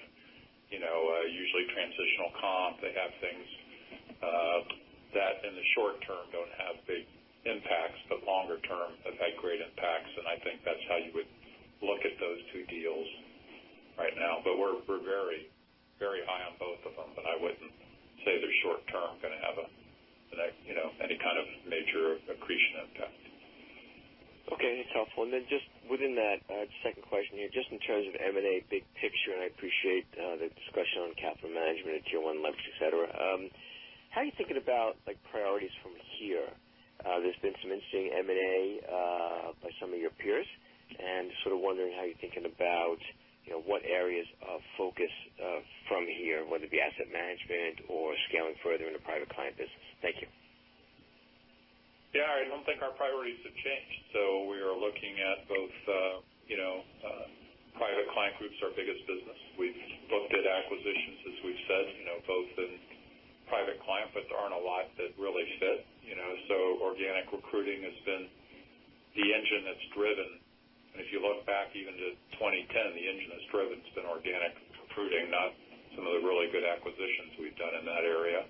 Speaker 3: usually transitional comp. They have things that in the short term don't have big impacts, but longer term have had great impacts, and I think that's how you would look at those two deals right now. We're very high on both of them, but I wouldn't say they're short term going to have any kind of major accretion impact.
Speaker 13: Okay. That's helpful. Just within that second question here, just in terms of M&A big picture, I appreciate the discussion on capital management and Tier 1 leverage, et cetera. How are you thinking about priorities from here? There's been some interesting M&A by some of your peers, sort of wondering how you're thinking about what areas of focus from here. Whether it be Asset Management or scaling further in the private client business. Thank you.
Speaker 3: Yeah. I don't think our priorities have changed. We are looking at both Private Client Group's our biggest business. We've looked at acquisitions, as we've said both in Private Client, but there aren't a lot that really fit. Organic recruiting has been the engine that's driven. If you look back even to 2010, the engine that's driven has been organic recruiting, not some of the really good acquisitions we've done in that area.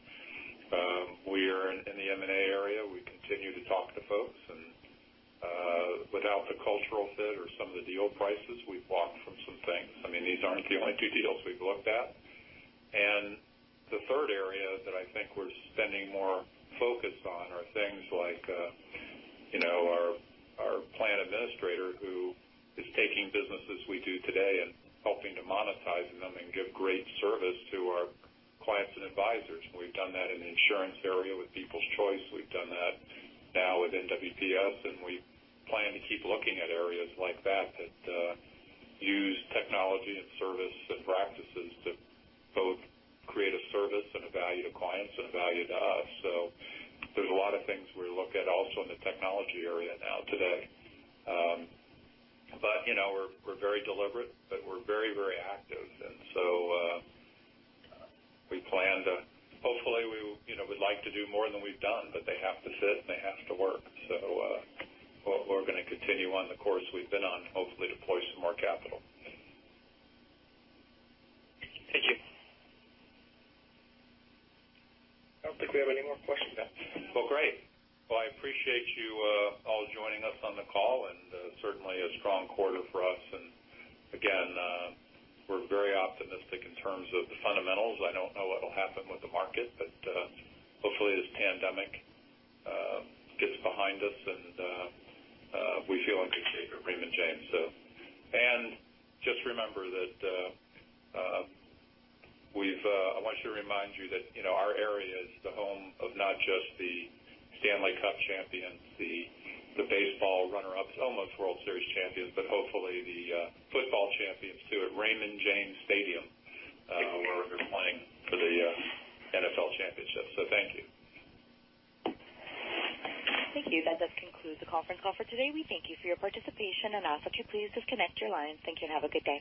Speaker 3: We are in the M&A area. We continue to talk to folks, without the cultural fit or some of the deal prices, we've walked from some things. I mean, these aren't the only two deals we've looked at. The third area that I think we're spending more focus on are things like our plan administrator, who is taking businesses we do today and helping to monetize them and give great service to our clients and advisors. We've done that in the insurance area with People's Choice. We've done that now with NWPS, and we plan to keep looking at areas like that use technology and service and practices to both create a service and a value to clients and a value to us. There's a lot of things we look at also in the technology area now today. We're very deliberate, but we're very active. We plan to. Hopefully, we'd like to do more than we've done, but they have to fit, and they have to work. We're going to continue on the course we've been on, hopefully deploy some more capital.
Speaker 13: Thank you.
Speaker 4: I don't think we have any more questions, Beth.
Speaker 3: Well, great. Well, I appreciate you all joining us on the call, and certainly a strong quarter for us. Again, we're very optimistic in terms of the fundamentals. I don't know what'll happen with the market, but hopefully this pandemic gets behind us, and we feel in good shape at Raymond James. I want you to remind you that our area is the home of not just the Stanley Cup champions, the baseball runner-ups, almost World Series champions, but hopefully the football champions, too, at Raymond James Stadium where they're playing for the NFL championship. Thank you.
Speaker 1: Thank you. That does conclude the conference call for today. We thank you for your participation and ask that you please disconnect your line. Thank you and have a good day.